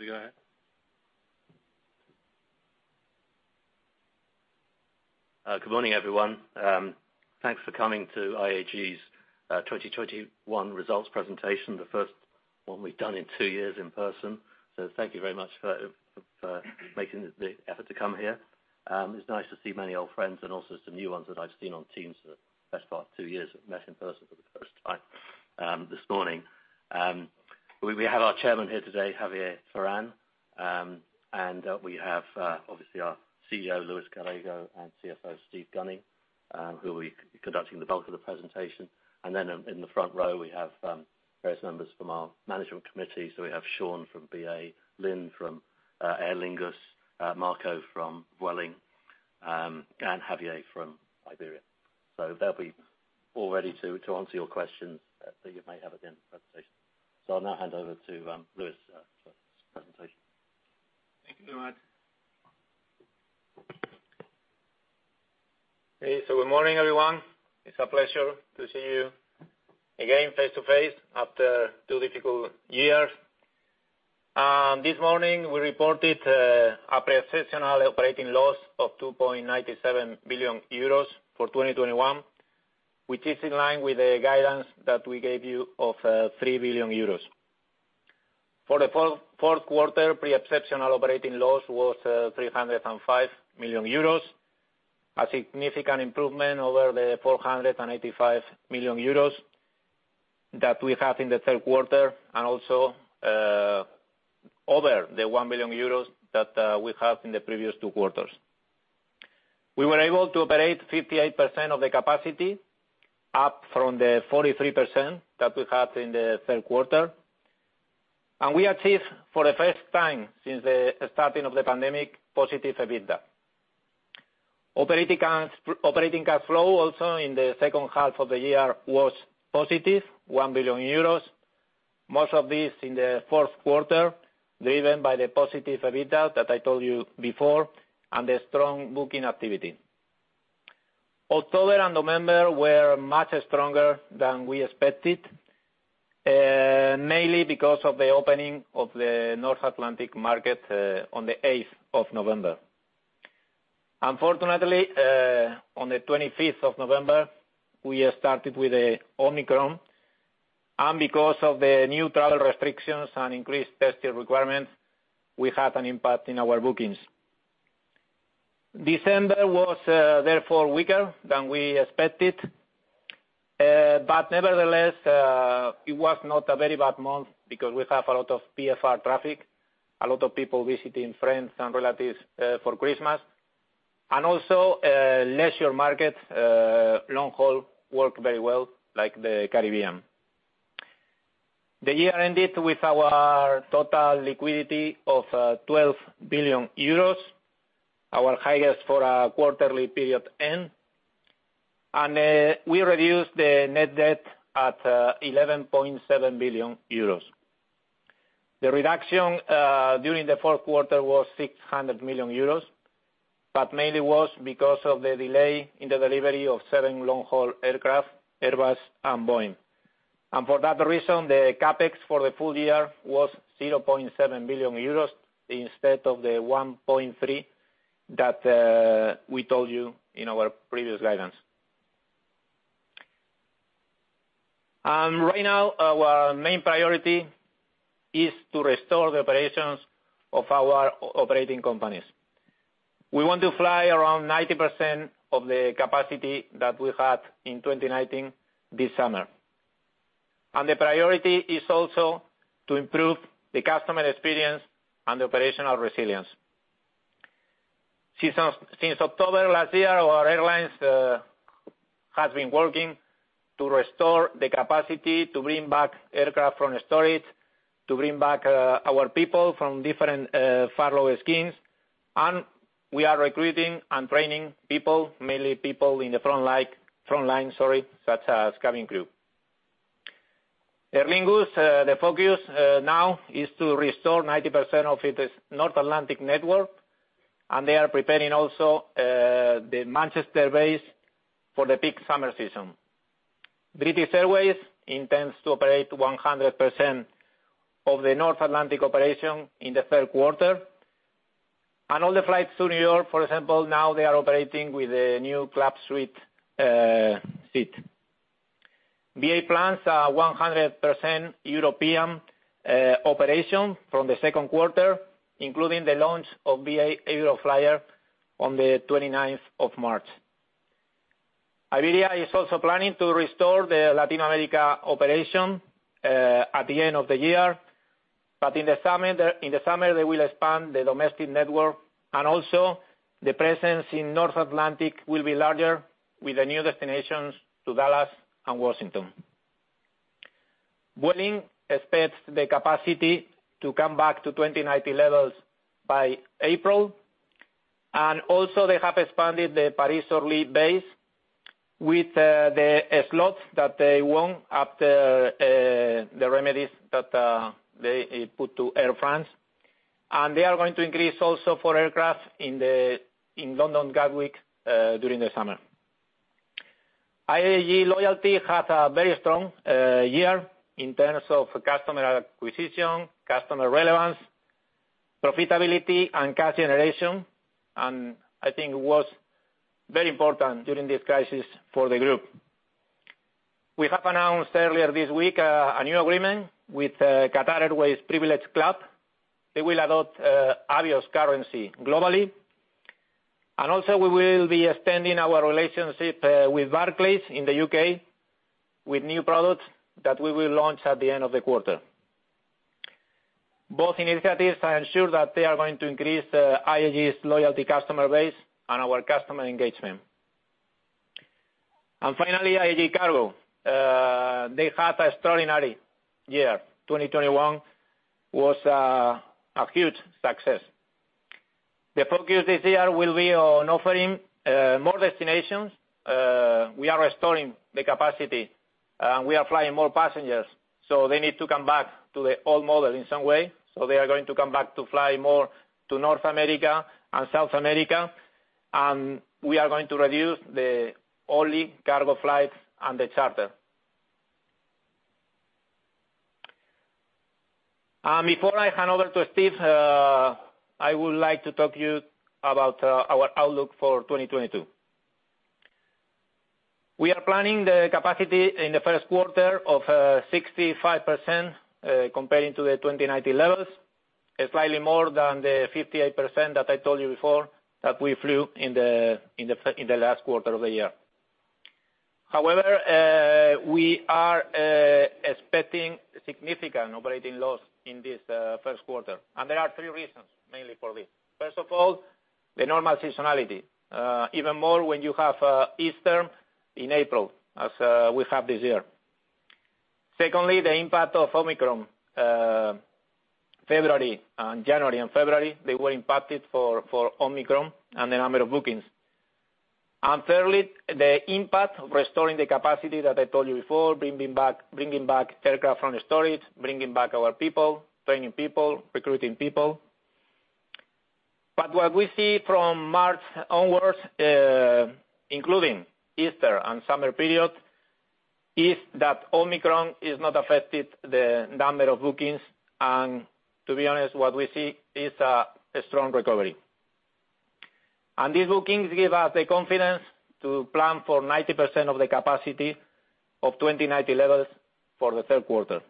We go ahead. Good morning, everyone. Thanks for coming to IAG's 2021 Results Presentation, the first one we've done in two years in person. Thank you very much for making the effort to come here. It's nice to see many old friends and also some new ones that I've seen on Teams for the best part of two years, met in person for the first time this morning. We have our Chairman here today, Javier Ferrán. We have obviously our CEO, Luis Gallego, and CFO, Steve Gunning, who will be conducting the bulk of the presentation. Then in the front row, we have various members from our management committee. We have Sean from BA, Lynne from Aer Lingus, Marco from Vueling, and Javier from Iberia. They'll be all ready to answer your questions that you may have at the end of the presentation. I'll now hand over to Luis for his presentation. Thank you very much. Okay, so good morning, everyone. It's a pleasure to see you again face to face after two difficult years. This morning we reported a pre-exceptional operating loss of 2.97 billion euros for 2021, which is in line with the guidance that we gave you of 3 billion euros. For the Q4, pre-exceptional operating loss was 305 million euros, a significant improvement over the 485 million euros that we have in the Q3 and also over the 1 billion euros that we have in the previous two quarters. We were able to operate 58% of the capacity, up from the 43% that we had in the Q3. We achieved for the first time since the starting of the pandemic, positive EBITDA. Operating cash, operating cash flow also in the H2 of the year was positive, 1 billion euros, most of this in the Q4, driven by the positive EBITDA that I told you before and the strong booking activity. October and November were much stronger than we expected, mainly because of the opening of the North Atlantic market on the 8th of November. Unfortunately, on the 25th of November, we started with the Omicron. Because of the new travel restrictions and increased testing requirements, we had an impact in our bookings. December was therefore weaker than we expected. Nevertheless, it was not a very bad month because we have a lot of VFR traffic, a lot of people visiting friends and relatives for Christmas. Also, leisure markets, long-haul worked very well like the Caribbean. The year ended with our total liquidity of 12 billion euros, our highest for a quarterly period end. We reduced the net debt at 11.7 billion euros. The reduction during the Q4 was 600 million euros, but mainly was because of the delay in the delivery of seven long-haul aircraft, Airbus and Boeing. For that reason, the CapEx for the FY was 0.7 billion euros instead of the 1.3 that we told you in our previous guidance. Right now, our main priority is to restore the operations of our operating companies. We want to fly around 90% of the capacity that we had in 2019 this summer. The priority is also to improve the customer experience and the operational resilience. Since October last year, our airlines has been working to restore the capacity to bring back aircraft from the storage, to bring back our people from different furlough schemes. We are recruiting and training people, mainly people in the front line, sorry, such as cabin crew. Aer Lingus, the focus now is to restore 90% of its North Atlantic network, and they are preparing also the Manchester base for the peak summer season. British Airways intends to operate 100% of the North Atlantic operation in the Q3. All the flights to New York, for example, now they are operating with a new Club Suite seat. BA plans a 100% European operation from the Q2, including the launch of BA Euroflyer on the 29th of March. Iberia is also planning to restore the Latin America operation at the end of the year. In the summer, they will expand the domestic network and also the presence in North Atlantic will be larger with the new destinations to Dallas and Washington. Vueling expects the capacity to come back to 2019 levels by April. They have expanded the Paris Orly base with the slots that they won after the remedies that they put to Air France. They are going to increase also four aircraft in London Gatwick during the summer. IAG Loyalty had a very strong year in terms of customer acquisition, customer relevance, profitability, and cash generation, and I think was very important during this crisis for the group. We have announced earlier this week a new agreement with Qatar Airways Privilege Club. They will adopt Avios currency globally. We will be extending our relationship with Barclays in the U.K. with new products that we will launch at the end of the quarter. Both initiatives, I am sure that they are going to increase IAG's loyalty customer base and our customer engagement. Finally, IAG Cargo. They had extraordinary year. 2021 was a huge success. The focus this year will be on offering more destinations. We are restoring the capacity, and we are flying more passengers, so they need to come back to the old model in some way. They are going to come back to fly more to North America and South America, and we are going to review the belly cargo flights and the charter. Before I hand over to Steve, I would like to talk to you about our outlook for 2022. We are planning the capacity in the Q1 of 65%, comparing to the 2019 levels, slightly more than the 58% that I told you before that we flew in the last quarter of the year. However, we are expecting significant operating loss in this Q1, and there are three reasons mainly for this. First of all, the normal seasonality, even more when you have Easter in April, as we have this year. Secondly, the impact of Omicron. January and February, they were impacted for Omicron and the number of bookings. Thirdly, the impact of restoring the capacity that I told you before, bringing back aircraft from the storage, bringing back our people, training people, recruiting people. What we see from March onwards, including Easter and summer period, is that Omicron is not affected the number of bookings, and to be honest, what we see is a strong recovery. These bookings give us the confidence to plan for 90% of the capacity of 2019 levels for the Q3.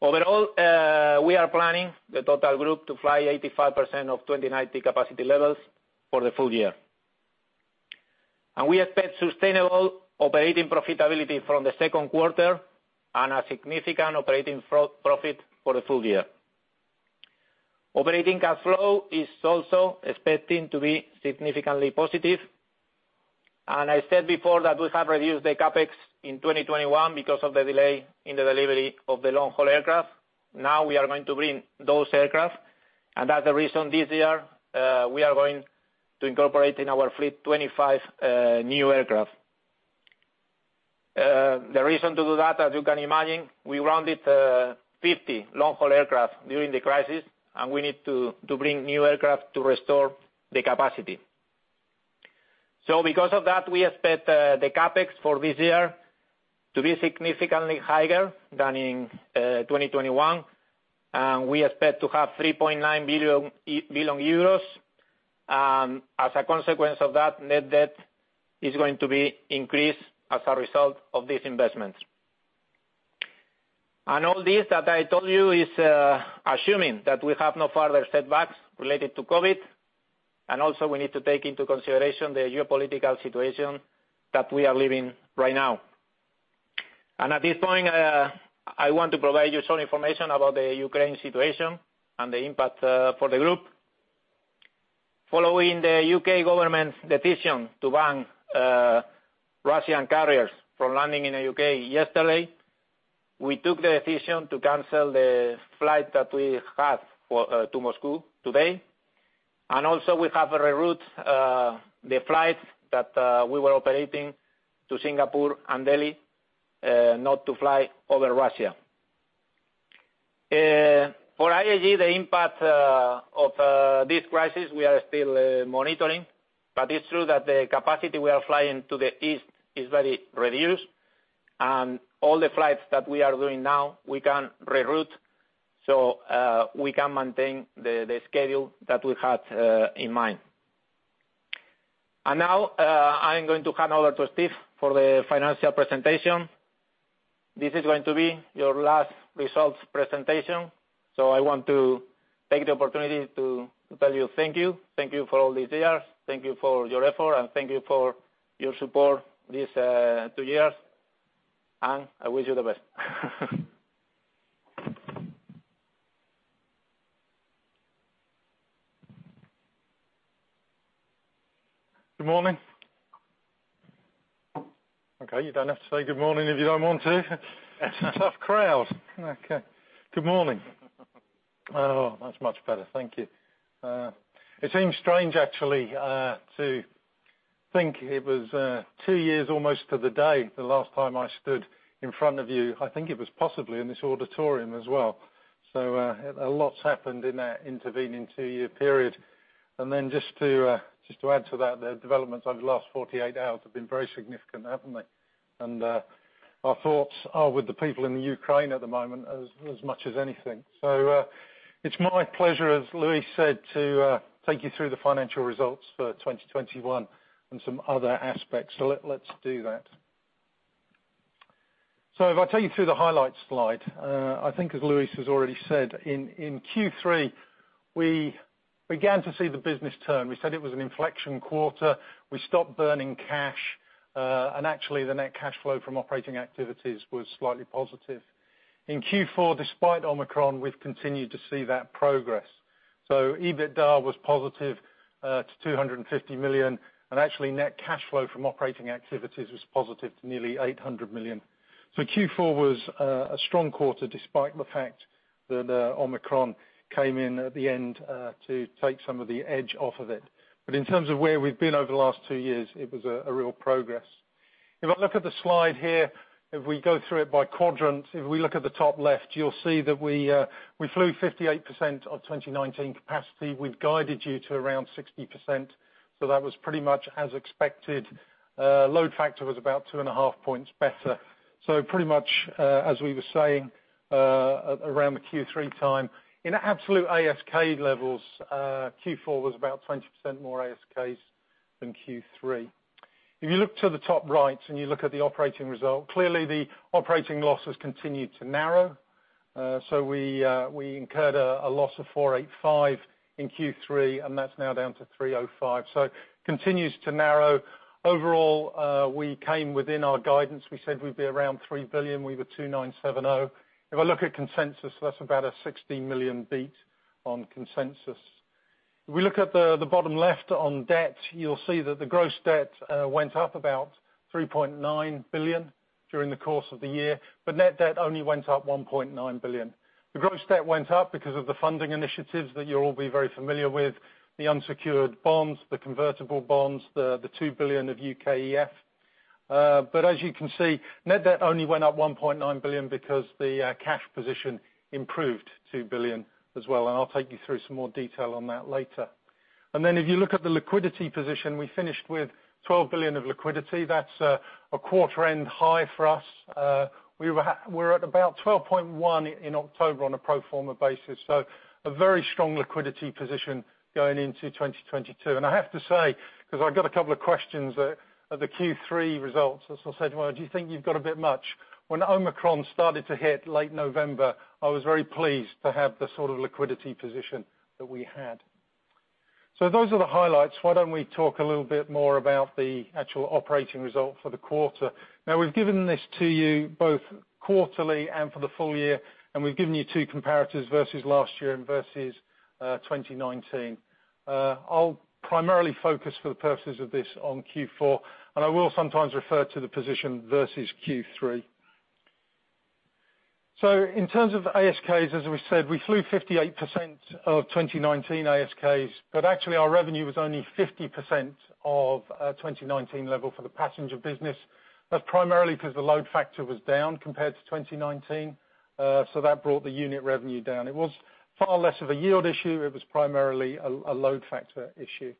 Overall, we are planning the total group to fly 85% of 2019 capacity levels for the FY. We expect sustainable operating profitability from the Q2 and a significant operating profit for the FY. Operating cash flow is also expecting to be significantly positive. I said before that we have reduced the CapEx in 2021 because of the delay in the delivery of the long-haul aircraft. Now we are going to bring those aircraft. That's the reason this year we are going to incorporate in our fleet 25 new aircraft. The reason to do that, as you can imagine, we grounded 50 long-haul aircraft during the crisis, and we need to bring new aircraft to restore the capacity. Because of that, we expect the CapEx for this year to be significantly higher than in 2021, and we expect to have 3.9 billion euros. As a consequence of that, net debt is going to be increased as a result of these investments. All this that I told you is assuming that we have no further setbacks related to COVID, and also we need to take into consideration the geopolitical situation that we are living right now. At this point, I want to provide you some information about the Ukraine situation and the impact for the group. Following the U.K. government's decision to ban Russian carriers from landing in the U.K. yesterday, we took the decision to cancel the flight that we had for to Moscow today. Also we have reroute the flights that we were operating to Singapore and Delhi not to fly over Russia. For IAG, the impact of this crisis, we are still monitoring, but it's true that the capacity we are flying to the east is very reduced. All the flights that we are doing now, we can reroute, so we can maintain the schedule that we had in mind. Now, I'm going to hand over to Steve for the financial presentation. This is going to be your last results presentation, so I want to take the opportunity to tell you thank you. Thank you for all these years. Thank you for your effort, and thank you for your support these two years, and I wish you the best. Good morning. Okay, you don't have to say good morning if you don't want to. Tough crowd. Okay. Good morning. Oh, that's much better. Thank you. It seems strange actually to think it was two years almost to the day the last time I stood in front of you. I think it was possibly in this auditorium as well. A lot's happened in that intervening two-year period. Then just to add to that, the developments over the last 48 hours have been very significant, haven't they? Our thoughts are with the people in the Ukraine at the moment as much as anything. It's my pleasure, as Luis said, to take you through the financial results for 2021 and some other aspects. Let's do that. If I take you through the highlights slide, I think as Luis has already said, in Q3, we began to see the business turn. We said it was an inflection quarter. We stopped burning cash, and actually the net cash flow from operating activities was slightly positive. In Q4, despite Omicron, we've continued to see that progress. EBITDA was positive to 250 million, and actually net cash flow from operating activities was positive to nearly 800 million. Q4 was a strong quarter despite the fact that Omicron came in at the end to take some of the edge off of it. In terms of where we've been over the last two years, it was a real progress. If I look at the slide here, if we go through it by quadrant, if we look at the top left, you'll see that we flew 58% of 2019 capacity. We've guided you to around 60%. That was pretty much as expected. Load factor was about 2.5 points better. Pretty much as we were saying around the Q3 time, in absolute ASK levels, Q4 was about 20% more ASKs than Q3. If you look to the top right, and you look at the operating result, clearly the operating losses continued to narrow. We incurred a loss of 485 million in Q3, and that's now down to 305 million. Continues to narrow. Overall, we came within our guidance. We said we'd be around 3 billion, we were 2,970. If I look at consensus, that's about a 60 million beat on consensus. If we look at the bottom left on debt, you'll see that the gross debt went up about 3.9 billion during the course of the year, but net debt only went up 1.9 billion. The gross debt went up because of the funding initiatives that you'll all be very familiar with, the unsecured bonds, the convertible bonds, the two billion of UKEF. But as you can see, net debt only went up 1.9 billion because the cash position improved 2 billion as well. I'll take you through some more detail on that later. If you look at the liquidity position, we finished with 12 billion of liquidity. That's a quarter-end high for us. We're at about 12.1 in October on a pro forma basis, so a very strong liquidity position going into 2022. I have to say, 'cause I got a couple of questions at the Q3 results that sort of said, "Well, do you think you've got a bit much?" When Omicron started to hit late November, I was very pleased to have the sort of liquidity position that we had. Those are the highlights. Why don't we talk a little bit more about the actual operating result for the quarter? Now, we've given this to you both quarterly and for the FY, and we've given you two comparatives versus last year and versus 2019. I'll primarily focus for the purposes of this on Q4, and I will sometimes refer to the position versus Q3. In terms of ASKs, as we said, we flew 58% of 2019 ASKs, but actually our revenue was only 50% of 2019 level for the passenger business. That's primarily because the load factor was down compared to 2019, so that brought the unit revenue down. It was far less of a yield issue, it was primarily a load factor issue.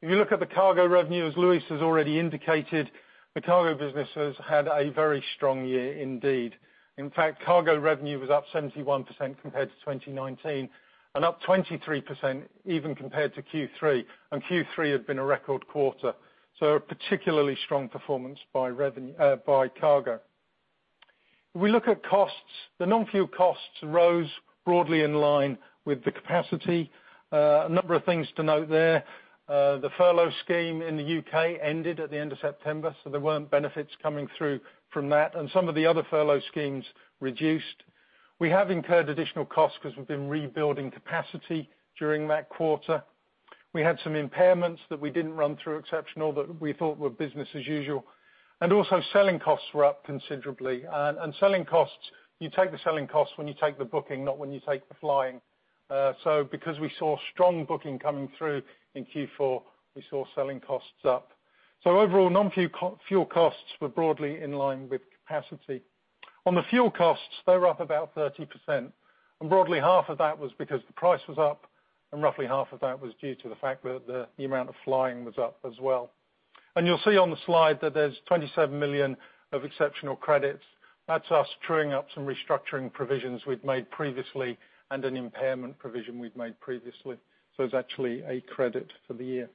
If you look at the cargo revenue, as Luis has already indicated, the cargo business has had a very strong year indeed. In fact, cargo revenue was up 71% compared to 2019, and up 23% even compared to Q3, and Q3 had been a record quarter. A particularly strong performance by cargo. If we look at costs, the non-fuel costs rose broadly in line with the capacity. A number of things to note there. The furlough scheme in the U.K. ended at the end of September, so there weren't benefits coming through from that. Some of the other furlough schemes reduced. We have incurred additional costs because we've been rebuilding capacity during that quarter. We had some impairments that we didn't run through exceptional that we thought were business as usual. Selling costs were up considerably. Selling costs, you take the selling costs when you take the booking, not when you take the flying. Because we saw strong booking coming through in Q4, we saw selling costs up. Overall, non-fuel costs were broadly in line with capacity. On the fuel costs, they were up about 30%. Broadly half of that was because the price was up, and roughly half of that was due to the fact that the amount of flying was up as well. You'll see on the slide that there's 27 million of exceptional credits. That's us truing up some restructuring provisions we've made previously and an impairment provision we've made previously. It's actually a credit for the year.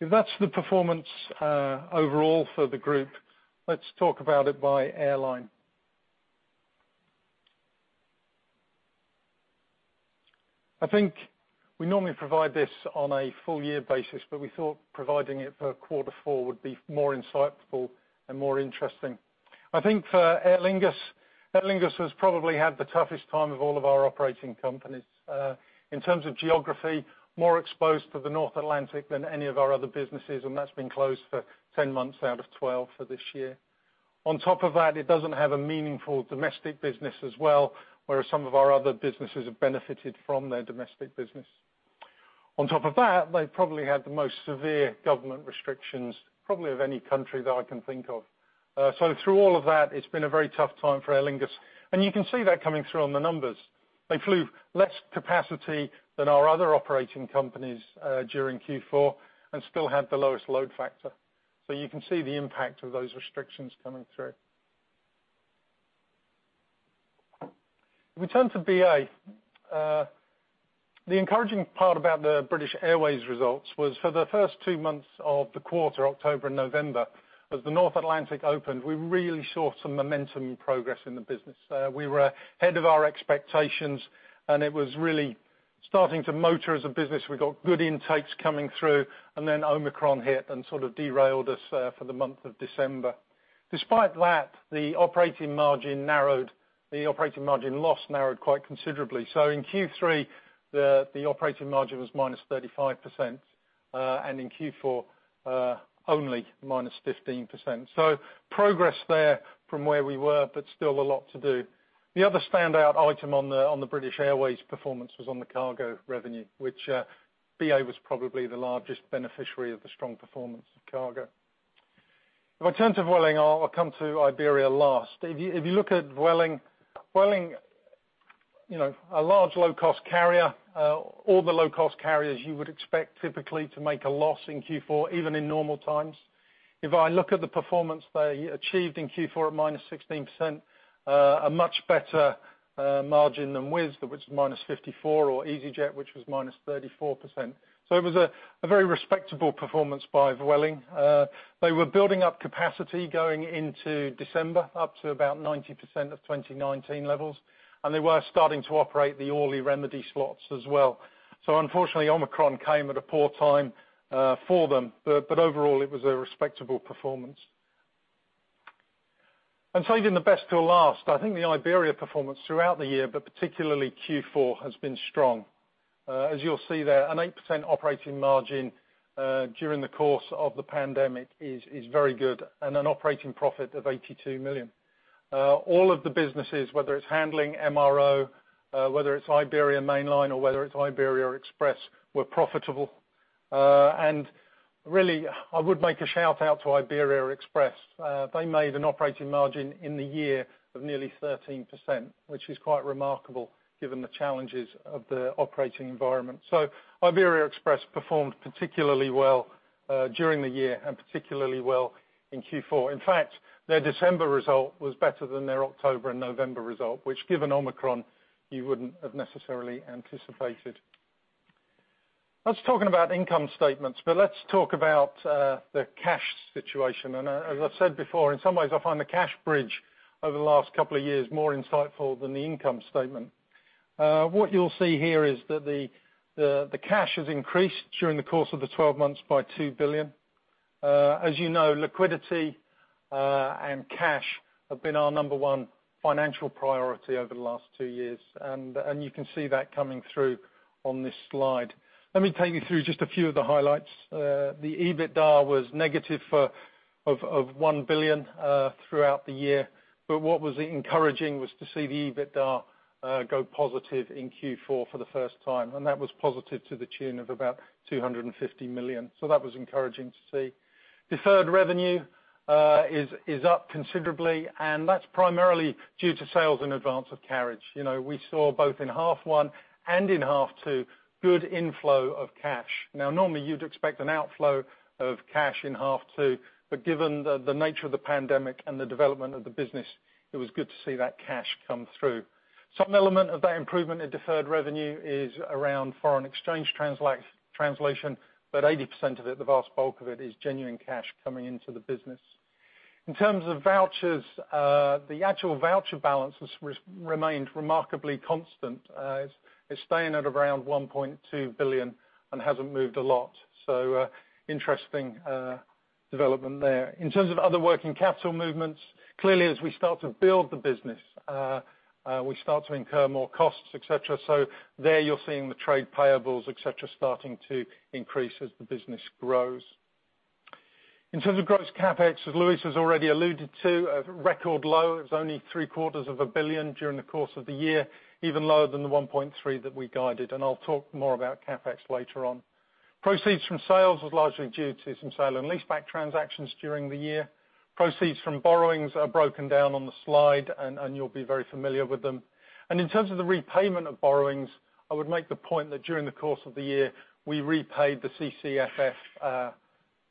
If that's the performance, overall for the group, let's talk about it by airline. I think we normally provide this on a FY basis, but we thought providing it for quarter four would be more insightful and more interesting. I think for Aer Lingus, Aer Lingus has probably had the toughest time of all of our operating companies. In terms of geography, more exposed to the North Atlantic than any of our other businesses, and that's been closed for 10 months out of 12 for this year. On top of that, it doesn't have a meaningful domestic business as well, whereas some of our other businesses have benefited from their domestic business. On top of that, they probably had the most severe government restrictions, probably of any country that I can think of. Through all of that, it's been a very tough time for Aer Lingus, and you can see that coming through on the numbers. They flew less capacity than our other operating companies, during Q4, and still had the lowest load factor. You can see the impact of those restrictions coming through. If we turn to BA, the encouraging part about the British Airways results was for the first two months of the quarter, October and November, as the North Atlantic opened, we really saw some momentum and progress in the business. We were ahead of our expectations, and it was really starting to motor as a business. We got good intakes coming through, and then Omicron hit and sort of derailed us for the month of December. Despite that, the operating margin loss narrowed quite considerably. In Q3, the operating margin was -35%, and in Q4, only -15%. Progress there from where we were, but still a lot to do. The other standout item on the British Airways performance was on the cargo revenue, which BA was probably the largest beneficiary of the strong performance of cargo. If I turn to Vueling, I'll come to Iberia last. If you look at Vueling, you know, a large low-cost carrier, all the low-cost carriers you would expect typically to make a loss in Q4, even in normal times. If I look at the performance they achieved in Q4 at -16%, a much better margin than Wizz, which was -54%, or easyJet, which was -34%. It was a very respectable performance by Vueling. They were building up capacity going into December, up to about 90% of 2019 levels. They were starting to operate the Orly remedy slots as well. Unfortunately, Omicron came at a poor time for them. Overall, it was a respectable performance. Saving the best till last, I think the Iberia performance throughout the year, but particularly Q4, has been strong. As you'll see there, an 8% operating margin during the course of the pandemic is very good, and an operating profit of 82 million. All of the businesses, whether it's handling MRO, whether it's Iberia mainline or whether it's Iberia Express, were profitable. Really, I would make a shout-out to Iberia Express. They made an operating margin in the year of nearly 13%, which is quite remarkable given the challenges of the operating environment. Iberia Express performed particularly well during the year, and particularly well in Q4. In fact, their December result was better than their October and November result, which, given Omicron, you wouldn't have necessarily anticipated. That's talking about income statements, but let's talk about the cash situation. As I've said before, in some ways, I find the cash bridge over the last couple of years more insightful than the income statement. What you'll see here is that the cash has increased during the course of the 12 months by 2 billion. As you know, liquidity and cash have been our number one financial priority over the last two years, and you can see that coming through on this slide. Let me take you through just a few of the highlights. The EBITDA was negative of 1 billion throughout the year. What was encouraging was to see the EBITDA go positive in Q4 for the first time. That was positive to the tune of about 250 million. That was encouraging to see. Deferred revenue is up considerably, and that's primarily due to sales in advance of carriage. You know, we saw both in half one and in half two, good inflow of cash. Now normally, you'd expect an outflow of cash in half two, but given the nature of the pandemic and the development of the business, it was good to see that cash come through. Some element of that improvement in deferred revenue is around foreign exchange translation, but 80% of it, the vast bulk of it, is genuine cash coming into the business. In terms of vouchers, the actual voucher balance has remained remarkably constant. It's staying at around 1.2 billion and hasn't moved a lot. Interesting development there. In terms of other working capital movements, clearly as we start to build the business, we start to incur more costs, et cetera. There you're seeing the trade payables, et cetera, starting to increase as the business grows. In terms of gross CapEx, as Luis has already alluded to, a record low. It was only EUR three-quarters of a billion during the course of the year, even lower than the 1.3 that we guided. I'll talk more about CapEx later on. Proceeds from sales was largely due to some sale-and-leaseback transactions during the year. Proceeds from borrowings are broken down on the slide, and you'll be very familiar with them. In terms of the repayment of borrowings, I would make the point that during the course of the year, we repaid the CCFF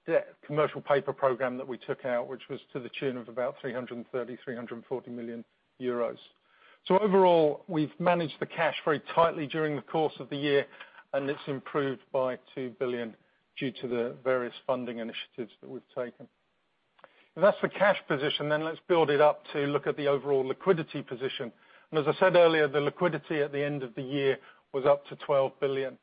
debt commercial paper program that we took out, which was to the tune of about 340 million euros. Overall, we've managed the cash very tightly during the course of the year, and it's improved by 2 billion due to the various funding initiatives that we've taken. If that's the cash position, then let's build it up to look at the overall liquidity position. As I said earlier, the liquidity at the end of the year was up to 12 billion.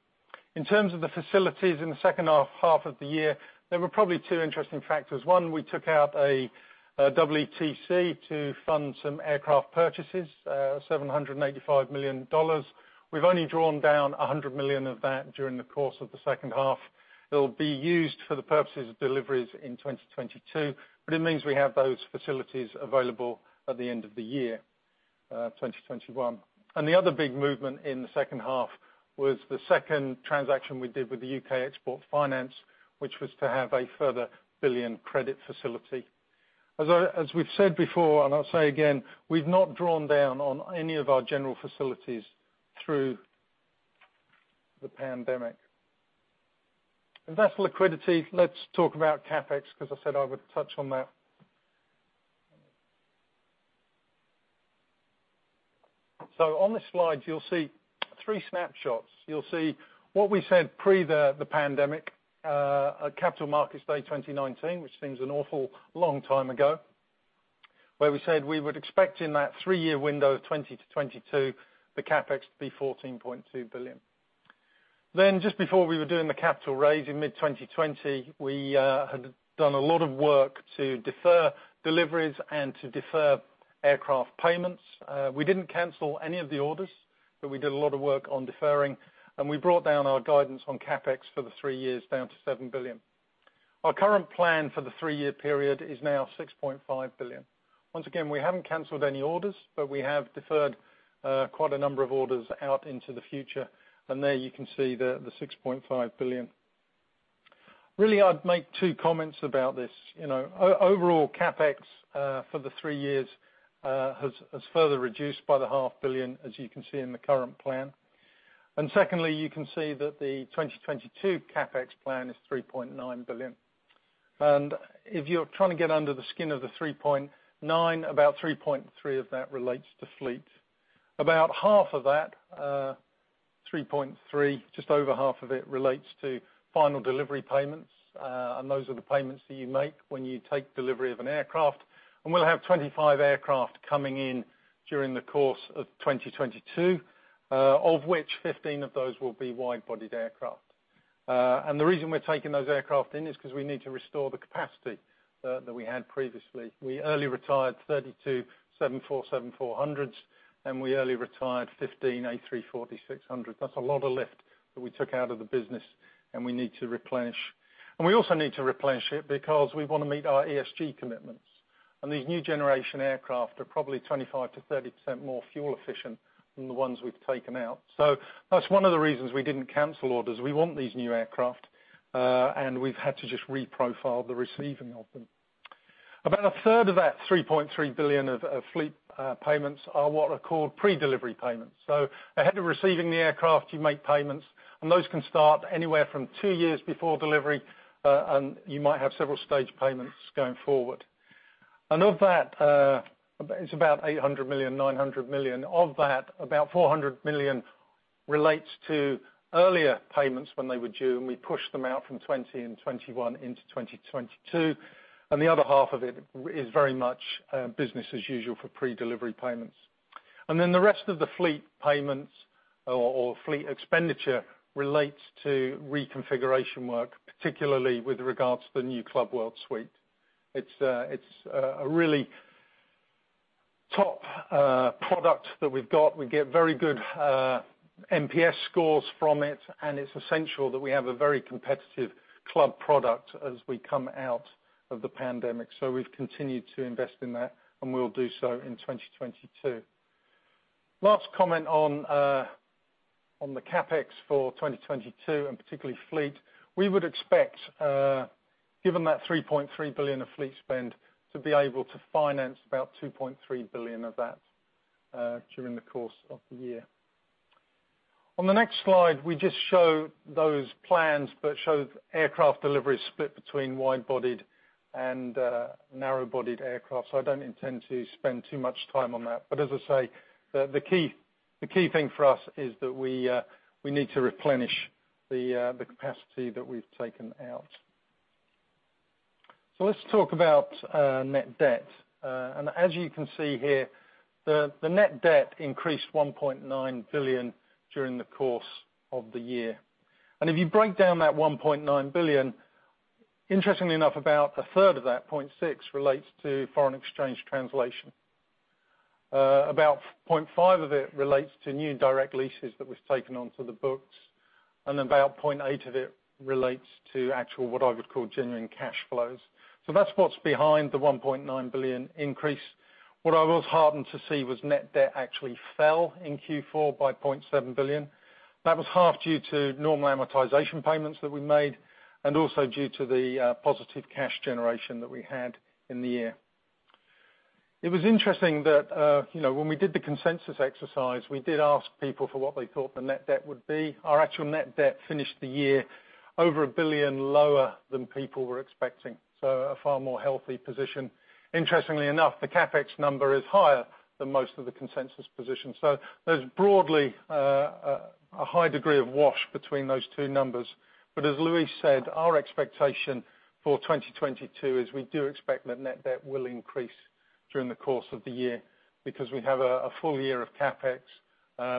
In terms of the facilities in the H2 of the year, there were probably two interesting factors. One, we took out a EETC to fund some aircraft purchases, $785 million. We've only drawn down $100 million of that during the course of the H2. It'll be used for the purposes of deliveries in 2022, but it means we have those facilities available at the end of 2021. The other big movement in the H2 was the second transaction we did with the UK Export Finance, which was to have a further 1 billion credit facility. As we've said before, and I'll say again, we've not drawn down on any of our general facilities through the pandemic. That's liquidity. Let's talk about CapEx, 'cause I said I would touch on that. On this slide, you'll see three snapshots. You'll see what we said pre the pandemic at Capital Markets Day 2019, which seems an awful long time ago, where we said we would expect in that three-year window of 2020 to 2022, the CapEx to be 14.2 billion. Then just before we were doing the capital raise in mid-2020, we had done a lot of work to defer deliveries and to defer aircraft payments. We didn't cancel any of the orders, but we did a lot of work on deferring, and we brought down our guidance on CapEx for the three years down to 7 billion. Our current plan for the three-year period is now 6.5 billion. Once again, we haven't canceled any orders, but we have deferred quite a number of orders out into the future. There you can see the 6.5 billion. Really, I'd make two comments about this. Overall CapEx for the three years has further reduced by EUR half billion, as you can see in the current plan. Secondly, you can see that the 2022 CapEx plan is 3.9 billion. If you're trying to get under the skin of the 3.9, about 3.3 of that relates to fleet. About half of that, 3.3, just over half of it relates to final delivery payments, and those are the payments that you make when you take delivery of an aircraft. We'll have 25 aircraft coming in during the course of 2022, of which 15 of those will be wide-bodied aircraft. The reason we're taking those aircraft in is because we need to restore the capacity that we had previously. We early retired 32 747-400s, and we early retired 15 A340-600s. That's a lot of lift that we took out of the business and we need to replenish. We also need to replenish it because we want to meet our ESG commitments. These new generation aircraft are probably 25%-30% more fuel efficient than the ones we've taken out. That's one of the reasons we didn't cancel orders. We want these new aircraft, and we've had to just reprofile the receiving of them. About a third of that 3.3 billion of fleet payments are what are called pre-delivery payments. Ahead of receiving the aircraft, you make payments, and those can start anywhere from two years before delivery, and you might have several stage payments going forward. Of that, it's about 800 million-900 million. Of that, about 400 million relates to earlier payments when they were due, and we pushed them out from 2020 and 2021 into 2022. The other half of it is very much business as usual for pre-delivery payments. Then the rest of the fleet payments or fleet expenditure relates to reconfiguration work, particularly with regards to the new Club World suite. It's a really top product that we've got. We get very good NPS scores from it, and it's essential that we have a very competitive club product as we come out of the pandemic. We've continued to invest in that, and we'll do so in 2022. Last comment on the CapEx for 2022 and particularly fleet, we would expect, given that 3.3 billion of fleet spend to be able to finance about 2.3 billion of that, during the course of the year. On the next slide, we just show those plans, but show aircraft delivery split between wide-bodied and narrow-bodied aircraft. I don't intend to spend too much time on that. As I say, the key thing for us is that we need to replenish the capacity that we've taken out. Let's talk about net debt. As you can see here, the net debt increased 1.9 billion during the course of the year. If you break down that 1.9 billion, interestingly enough, about a third of that, 0.6 billion, relates to foreign exchange translation. About 0.5 billion of it relates to new direct leases that was taken onto the books, and about 0.8 billion of it relates to actual, what I would call genuine cash flows. That's what's behind the 1.9 billion increase. What I was heartened to see was net debt actually fell in Q4 by 0.7 billion. That was half due to normal amortization payments that we made and also due to the positive cash generation that we had in the year. It was interesting that, you know, when we did the consensus exercise, we did ask people for what they thought the net debt would be. Our actual net debt finished the year over 1 billion lower than people were expecting, so a far more healthy position. Interestingly enough, the CapEx number is higher than most of the consensus positions. There's broadly a high degree of wash between those two numbers. As Luis said, our expectation for 2022 is we do expect that net debt will increase during the course of the year because we have a FY of CapEx,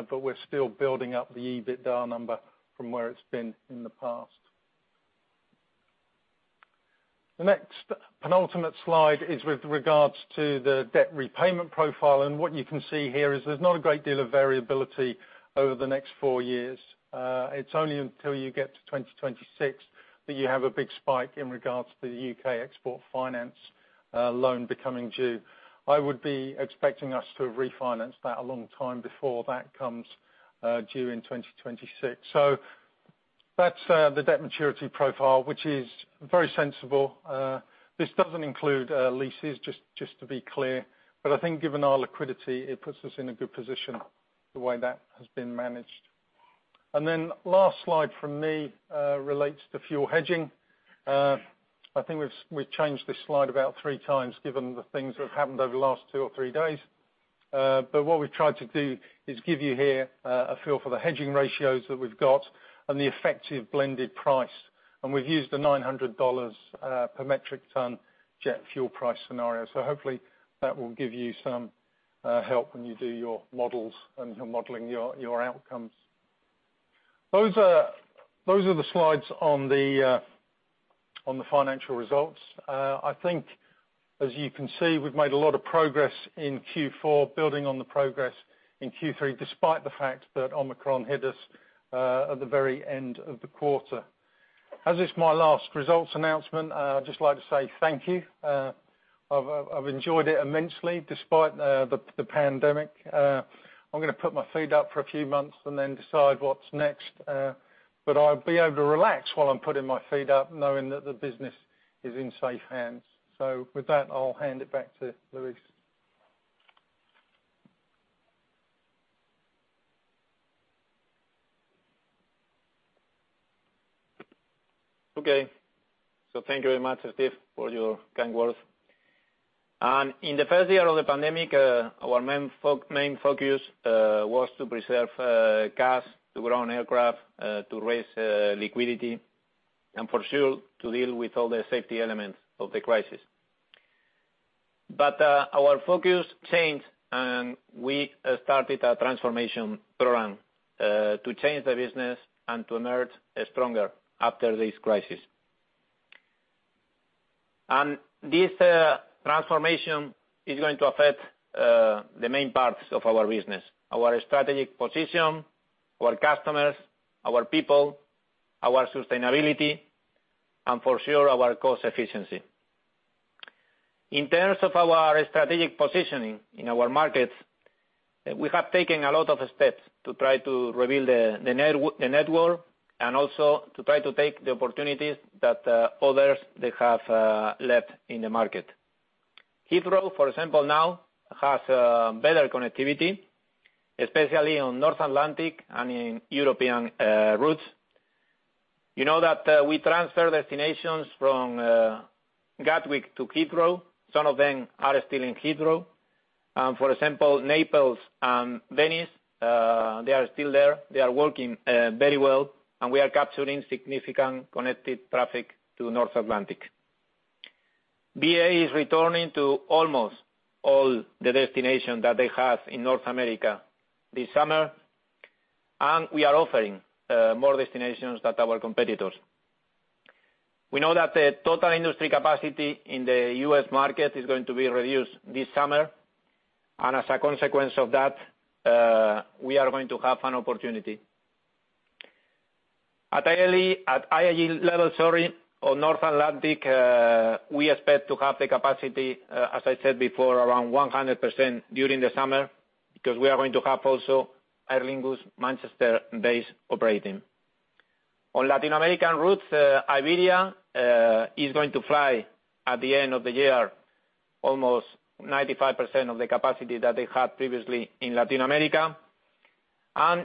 but we're still building up the EBITDA number from where it's been in the past. The next penultimate slide is with regards to the debt repayment profile, and what you can see here is there's not a great deal of variability over the next four years. It's only until you get to 2026 that you have a big spike in regards to the UK Export Finance loan becoming due. I would be expecting us to have refinanced that a long time before that comes due in 2026. That's the debt maturity profile, which is very sensible. This doesn't include leases, just to be clear. I think given our liquidity, it puts us in a good position the way that has been managed. Last slide from me relates to fuel hedging. I think we've changed this slide about three times given the things that have happened over the last two or three days. What we've tried to do is give you here a feel for the hedging ratios that we've got and the effective blended price, and we've used the $900 per metric ton jet fuel price scenario. Hopefully that will give you some help when you do your models and you're modeling your outcomes. Those are the slides on the financial results. I think as you can see, we've made a lot of progress in Q4, building on the progress in Q3, despite the fact that Omicron hit us at the very end of the quarter. As it's my last results announcement, I'd just like to say thank you. I've enjoyed it immensely despite the pandemic. I'm gonna put my feet up for a few months and then decide what's next. I'll be able to relax while I'm putting my feet up knowing that the business is in safe hands. With that, I'll hand it back to Luis. Okay. Thank you very much, Steve, for your kind words. In the first year of the pandemic, our main focus was to preserve cash, to ground aircraft, to raise liquidity, and for sure to deal with all the safety elements of the crisis. Our focus changed, and we started a transformation program to change the business and to emerge stronger after this crisis. This transformation is going to affect the main parts of our business, our strategic position, our customers, our people, our sustainability, and for sure our cost efficiency. In terms of our strategic positioning in our markets, we have taken a lot of steps to try to rebuild the network and also to try to take the opportunities that others they have left in the market. Heathrow, for example, now has better connectivity, especially on North Atlantic and in European routes. You know that we transfer destinations from Gatwick to Heathrow. Some of them are still in Heathrow. For example, Naples and Venice, they are still there. They are working very well, and we are capturing significant connected traffic to North Atlantic. BA is returning to almost all the destinations that they have in North America this summer, and we are offering more destinations than our competitors. We know that the total industry capacity in the U.S. market is going to be reduced this summer, and as a consequence of that, we are going to have an opportunity. At IAG level, sorry, on North Atlantic, we expect to have the capacity, as I said before, around 100% during the summer because we are going to have also Aer Lingus Manchester base operating. On Latin American routes, Iberia is going to fly at the end of the year almost 95% of the capacity that they had previously in Latin America.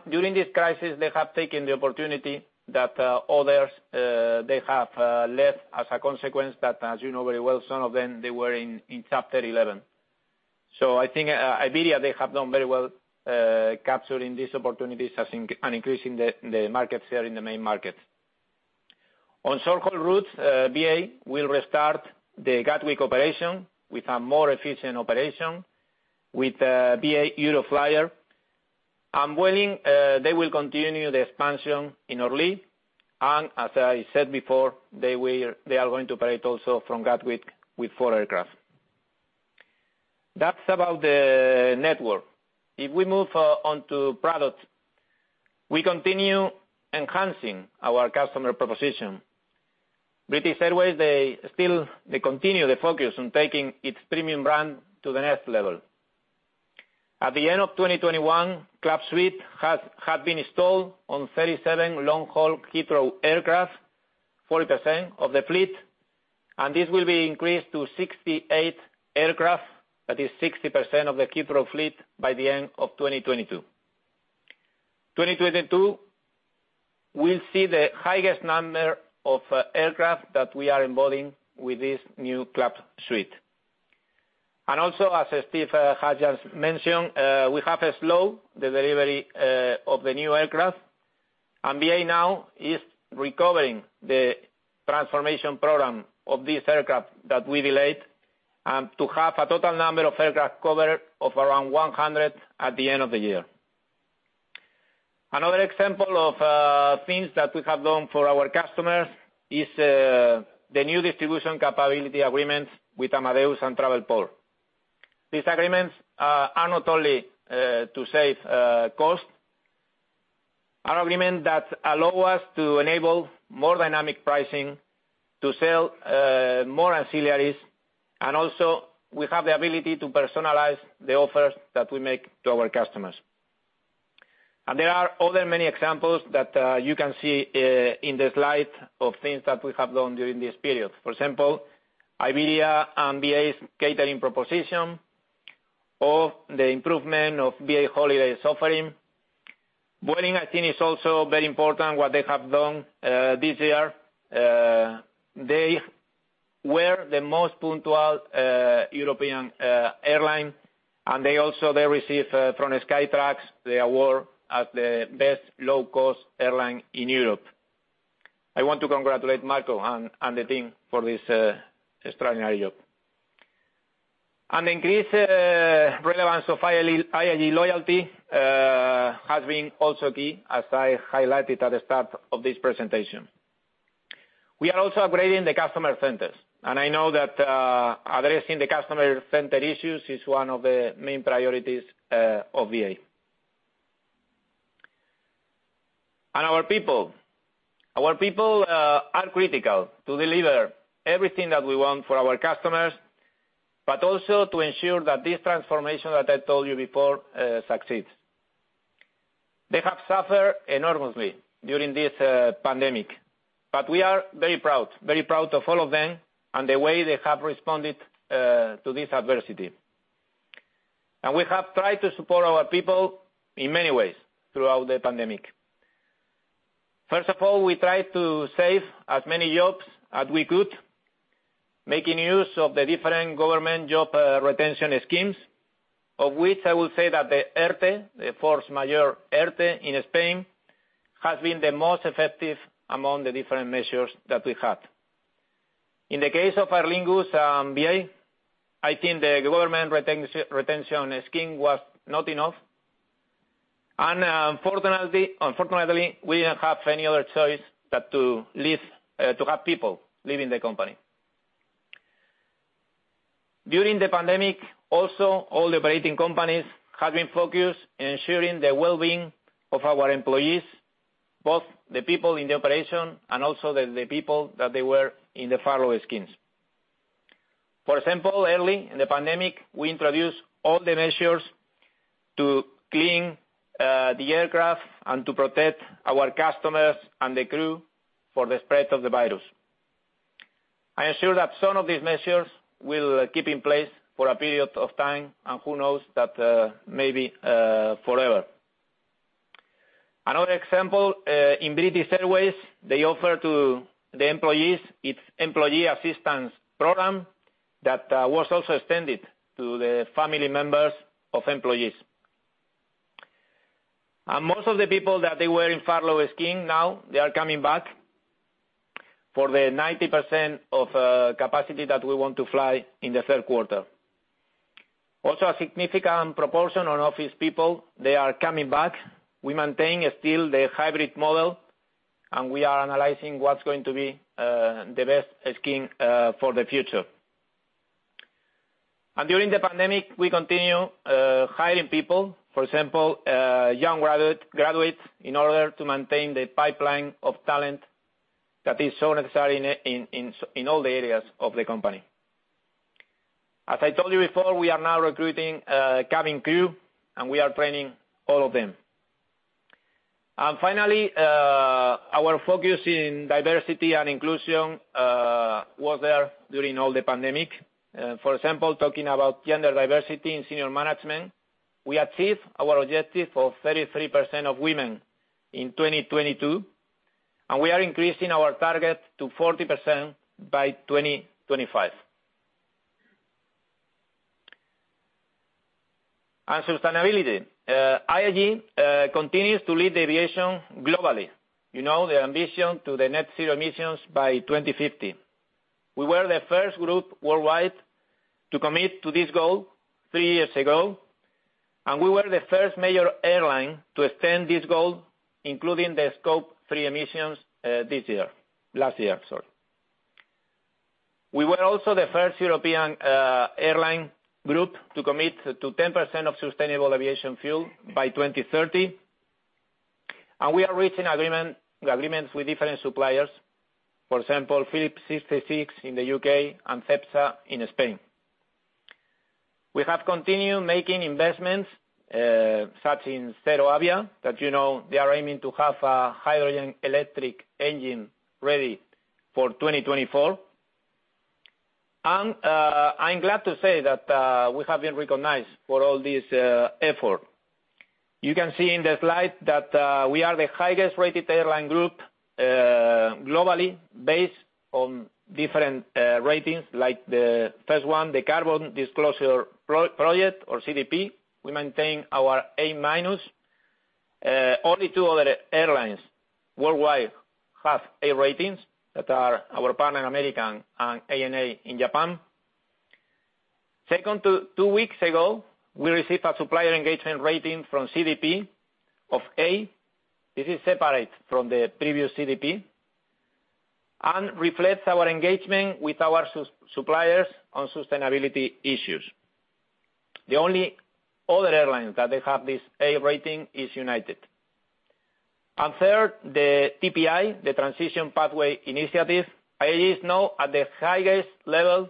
During this crisis, they have taken the opportunity that others have left as a consequence that, as you know very well, some of them they were in Chapter 11. I think, Iberia they have done very well, capturing these opportunities and increasing the market share in the main market. On short-haul routes, BA will restart the Gatwick operation with a more efficient operation with BA Euroflyer. Vueling, they will continue the expansion in Orly. As I said before, they are going to operate also from Gatwick with four aircraft. That's about the network. If we move on to products, we continue enhancing our customer proposition. British Airways, they continue the focus on taking its premium brand to the next level. At the end of 2021, Club Suite had been installed on 37 long-haul Heathrow aircraft, 40% of the fleet, and this will be increased to 68 aircraft, that is 60% of the Heathrow fleet, by the end of 2022. 2022, we'll see the highest number of aircraft that we are onboarding with this new Club Suite. Also, as Steve has just mentioned, we have slowed the delivery of the new aircraft. BA now is recovering the transformation program of these aircraft that we delayed to have a total number of aircraft covered of around 100 at the end of the year. Another example of things that we have done for our customers is the new distribution capability agreements with Amadeus and Travelport. These agreements are not only to save cost. Our agreements that allow us to enable more dynamic pricing to sell more ancillaries, and also we have the ability to personalize the offers that we make to our customers. There are other many examples that you can see in the slide of things that we have done during this period. For example, Iberia and BA's catering proposition or the improvement of BA Holidays offering. Vueling I think is also very important what they have done this year. They were the most punctual European airline, and they also receive from Skytrax the award as the best low-cost airline in Europe. I want to congratulate Marco and the team for this extraordinary job. An increased relevance of IAG loyalty has been also key, as I highlighted at the start of this presentation. We are also upgrading the customer centers, and I know that addressing the customer center issues is one of the main priorities of BA. Our people are critical to deliver everything that we want for our customers, but also to ensure that this transformation that I told you before succeeds. They have suffered enormously during this pandemic. We are very proud of all of them and the way they have responded to this adversity. We have tried to support our people in many ways throughout the pandemic. First of all, we tried to save as many jobs as we could, making use of the different government job retention schemes, of which I will say that the ERTE, the force majeure ERTE in Spain, has been the most effective among the different measures that we have. In the case of Aer Lingus and BA, I think the government retention scheme was not enough. Unfortunately, we didn't have any other choice but to have people leaving the company. During the pandemic also, all the operating companies have been focused in ensuring the well-being of our employees, both the people in the operation and also the people that they were in the furlough schemes. For example, early in the pandemic, we introduced all the measures to clean the aircraft and to protect our customers and the crew for the spread of the virus. I am sure that some of these measures will keep in place for a period of time, and who knows that, maybe, forever. Another example, in British Airways, they offer to the employees its employee assistance program that was also extended to the family members of employees. Most of the people that they were in furlough scheme now, they are coming back for the 90% of capacity that we want to fly in the Q3. Also a significant proportion of office people, they are coming back. We maintain still the hybrid model and we are analyzing what's going to be the best scheme for the future. During the pandemic, we continue hiring people. For example, young graduates in order to maintain the pipeline of talent that is so necessary in all the areas of the company. As I told you before, we are now recruiting cabin crew, and we are training all of them. Finally, our focus in diversity and inclusion was there during all the pandemic. For example, talking about gender diversity in senior management, we achieved our objective of 33% of women in 2022, and we are increasing our target to 40% by 2025. Sustainability. IAG continues to lead the aviation globally. You know, the ambition to the net zero emissions by 2050. We were the first group worldwide to commit to this goal three years ago, and we were the first major airline to extend this goal, including the scope three emissions, this year. Last year, sorry. We were also the first European airline group to commit to 10% of sustainable aviation fuel by 2030. We are reaching agreements with different suppliers. For example, Phillips 66 in the UK and Cepsa in Spain. We have continued making investments such in ZeroAvia that you know they are aiming to have a hydrogen electric engine ready for 2024. I'm glad to say that we have been recognized for all this effort. You can see in the slide that we are the highest-rated airline group globally based on different ratings, like the first one, the Carbon Disclosure Project, or CDP. We maintain our A-. Only two other airlines worldwide have A ratings: American and ANA in Japan. Second, two weeks ago, we received a supplier engagement rating from CDP of A. This is separate from the previous CDP and reflects our engagement with our suppliers on sustainability issues. The only other airline that they have this A rating is United. Third, the TPI, the Transition Pathway Initiative, IAG is now at the highest level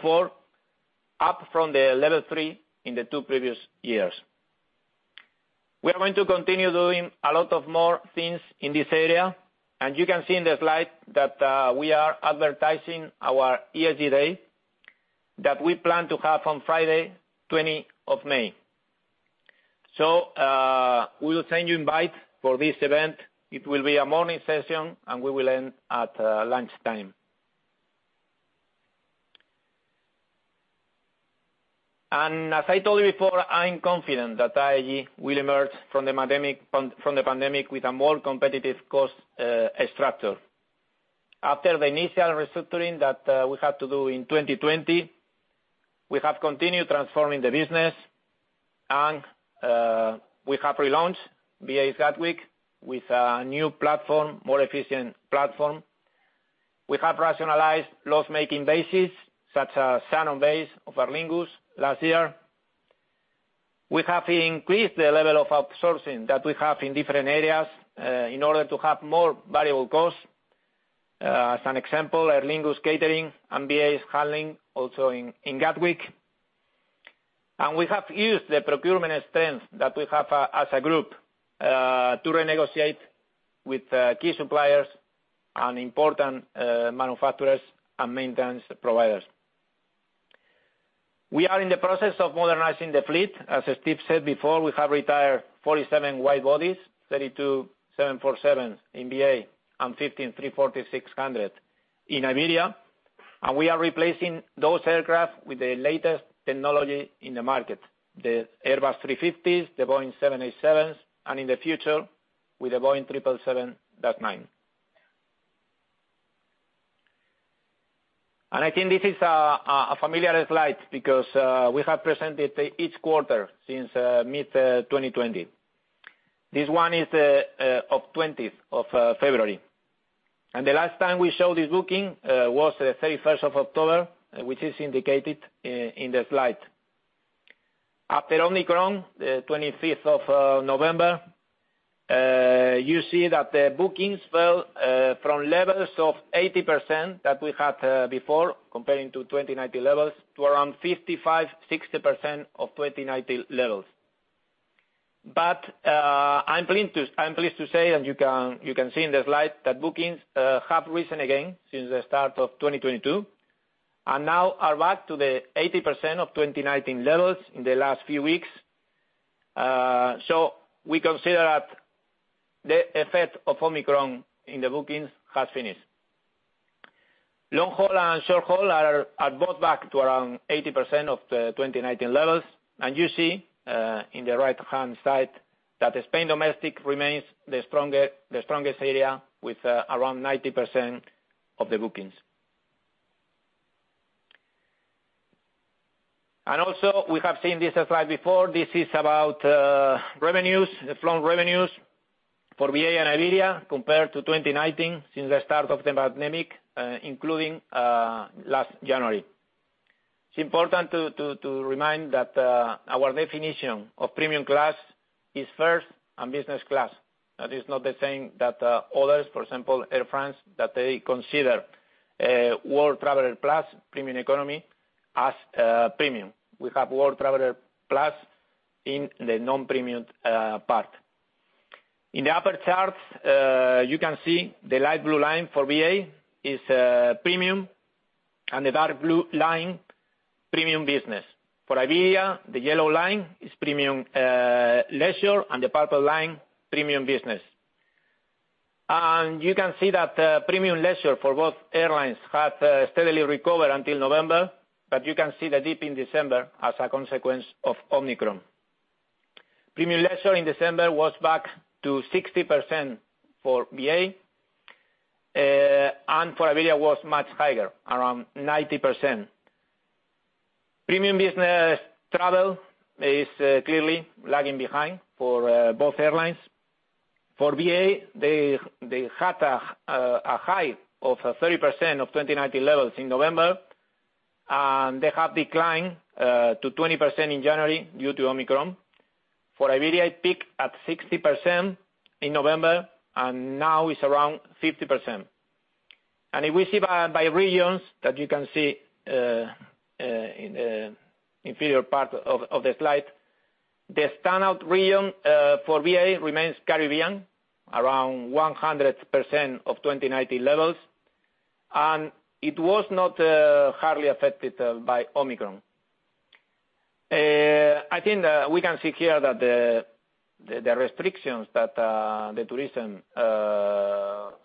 4, up from the level 3 in the two previous years. We are going to continue doing a lot of more things in this area, and you can see in the slide that we are advertising our ESG day that we plan to have on Friday, 20 of May. We will send you invite for this event. It will be a morning session, and we will end at lunchtime. As I told you before, I'm confident that IAG will emerge from the pandemic with a more competitive cost structure. After the initial restructuring that we had to do in 2020, we have continued transforming the business and we have relaunched BA Gatwick with a new platform, more efficient platform. We have rationalized loss-making bases such as Shannon base of Aer Lingus last year. We have increased the level of outsourcing that we have in different areas in order to have more variable costs. As an example, Aer Lingus Catering and BA's handling also in Gatwick. We have used the procurement strength that we have as a group to renegotiate with key suppliers and important manufacturers and maintenance providers. We are in the process of modernizing the fleet. As Steve said before, we have retired 47 wide bodies, 32 747 in BA, and 15 A340-600 in Iberia. We are replacing those aircraft with the latest technology in the market, the Airbus A350s, the Boeing 787s, and in the future, with the Boeing 777-9. I think this is a familiar slide because we have presented each quarter since mid-2020. This one is from the 20th of February. The last time we showed this booking was the 31st of October, which is indicated in the slide. After Omicron, the 25th of November, you see that the bookings fell from levels of 80% that we had before comparing to 2019 levels, to around 55-60% of 2019 levels. I'm pleased to say, you can see in the slide that bookings have risen again since the start of 2022. Now are back to the 80% of 2019 levels in the last few weeks. We consider that the effect of Omicron in the bookings has finished. Long-haul and short-haul are both back to around 80% of the 2019 levels. You see in the right-hand side that Spain domestic remains the strongest area with around 90% of the bookings. Also, we have seen this slide before. This is about revenues for BA and Iberia compared to 2019 since the start of the pandemic, including last January. It's important to remind that our definition of premium class is first and business class. That is not the same as others, for example, Air France, that they consider World Traveller Plus premium economy as premium. We have World Traveller Plus in the non-premium part. In the upper charts, you can see the light blue line for BA is premium, and the dark blue line, premium business. For Iberia, the yellow line is premium leisure, and the purple line, premium business. You can see that premium leisure for both airlines had steadily recovered until November, but you can see the dip in December as a consequence of Omicron. Premium leisure in December was back to 60% for BA, and for Iberia was much higher, around 90%. Premium business travel is clearly lagging behind for both airlines. For BA, they had a high of 30% of 2019 levels in November, and they have declined to 20% in January due to Omicron. For Iberia, it peaked at 60% in November, and now is around 50%. If we see by regions that you can see in the inferior part of the slide, the standout region for BA remains Caribbean, around 100% of 2019 levels. It was not hardly affected by Omicron. I think that we can see here that the restrictions that the tourism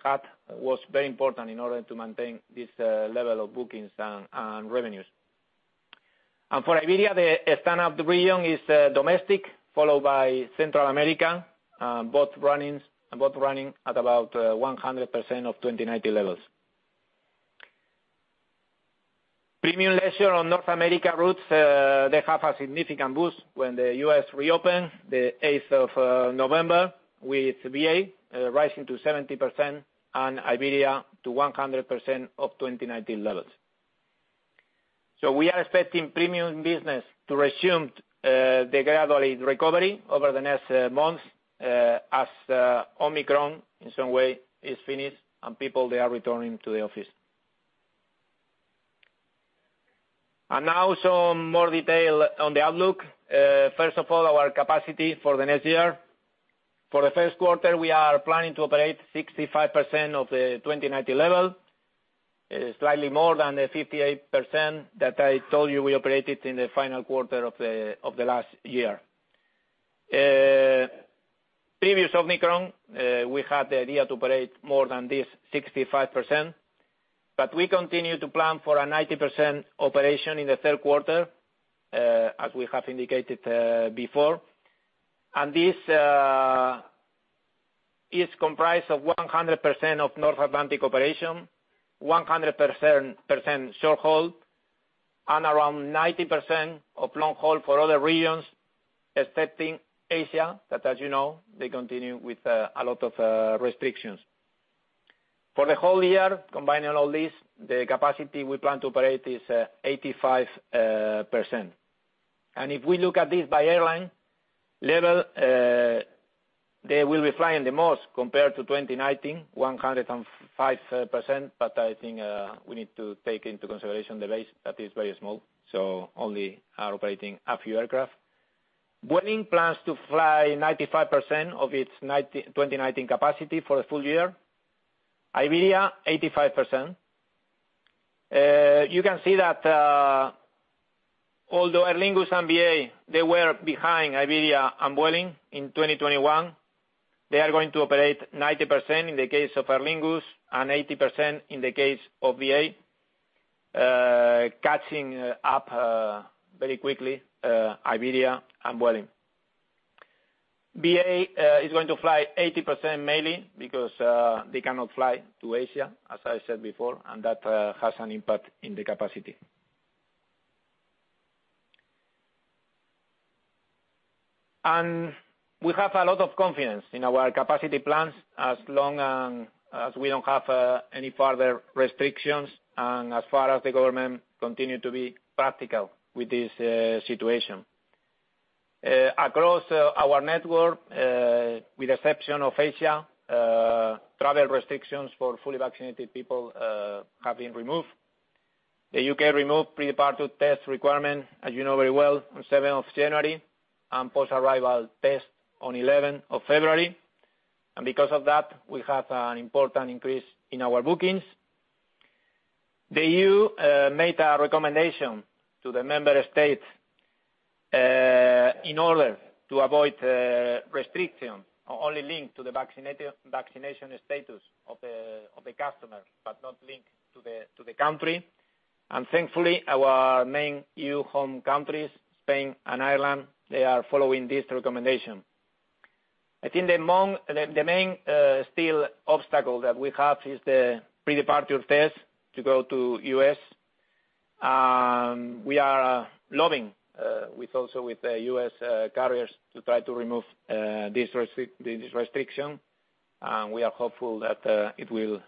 had was very important in order to maintain this level of bookings and revenues. For Iberia, the standout region is domestic, followed by Central America, both running at about 100% of 2019 levels. Premium leisure on North America routes they have a significant boost when the U.S. reopened the 8th of November, with BA rising to 70% and Iberia to 100% of 2019 levels. We are expecting premium business to resume the gradual recovery over the next months as Omicron in some way is finished and people they are returning to the office. Now some more detail on the outlook. First of all, our capacity for the next year. For the Q1, we are planning to operate 65% of the 2019 level, slightly more than the 58% that I told you we operated in the final quarter of the last year. Previous Omicron, we had the idea to operate more than this 65%, but we continue to plan for a 90% operation in the Q3, as we have indicated before. This is comprised of 100% of North Atlantic operation, 100% short-haul, and around 90% of long-haul for other regions, excepting Asia, that as you know, they continue with a lot of restrictions. For the whole year, combining all this, the capacity we plan to operate is 85%. If we look at this by airline level, they will be flying the most compared to 2019, 105%. But I think, we need to take into consideration the base that is very small, so they are only operating a few aircraft. Vueling plans to fly 95% of its 2019 capacity for the FY. Iberia, 85%. You can see that, although Aer Lingus and BA, they were behind Iberia and Vueling in 2021, they are going to operate 90% in the case of Aer Lingus, and 80% in the case of BA, catching up very quickly, Iberia and Vueling. BA is going to fly 80% mainly because, they cannot fly to Asia, as I said before, and that has an impact on the capacity. We have a lot of confidence in our capacity plans as long as we don't have any further restrictions and as far as the government continues to be practical with this situation. Across our network, with exception of Asia, travel restrictions for fully vaccinated people have been removed. The U.K. removed pre-departure test requirement, as you know very well, on seventh of January, and post-arrival test on eleventh of February. Because of that, we have an important increase in our bookings. The EU made a recommendation to the member states in order to avoid restriction only linked to the vaccination status of the customer, but not linked to the country. Thankfully, our main EU home countries, Spain and Ireland, they are following this recommendation. I think the main still obstacle that we have is the pre-departure test to go to the U.S. We are lobbying with also with the U.S. carriers to try to remove this restriction, and we are hopeful that it will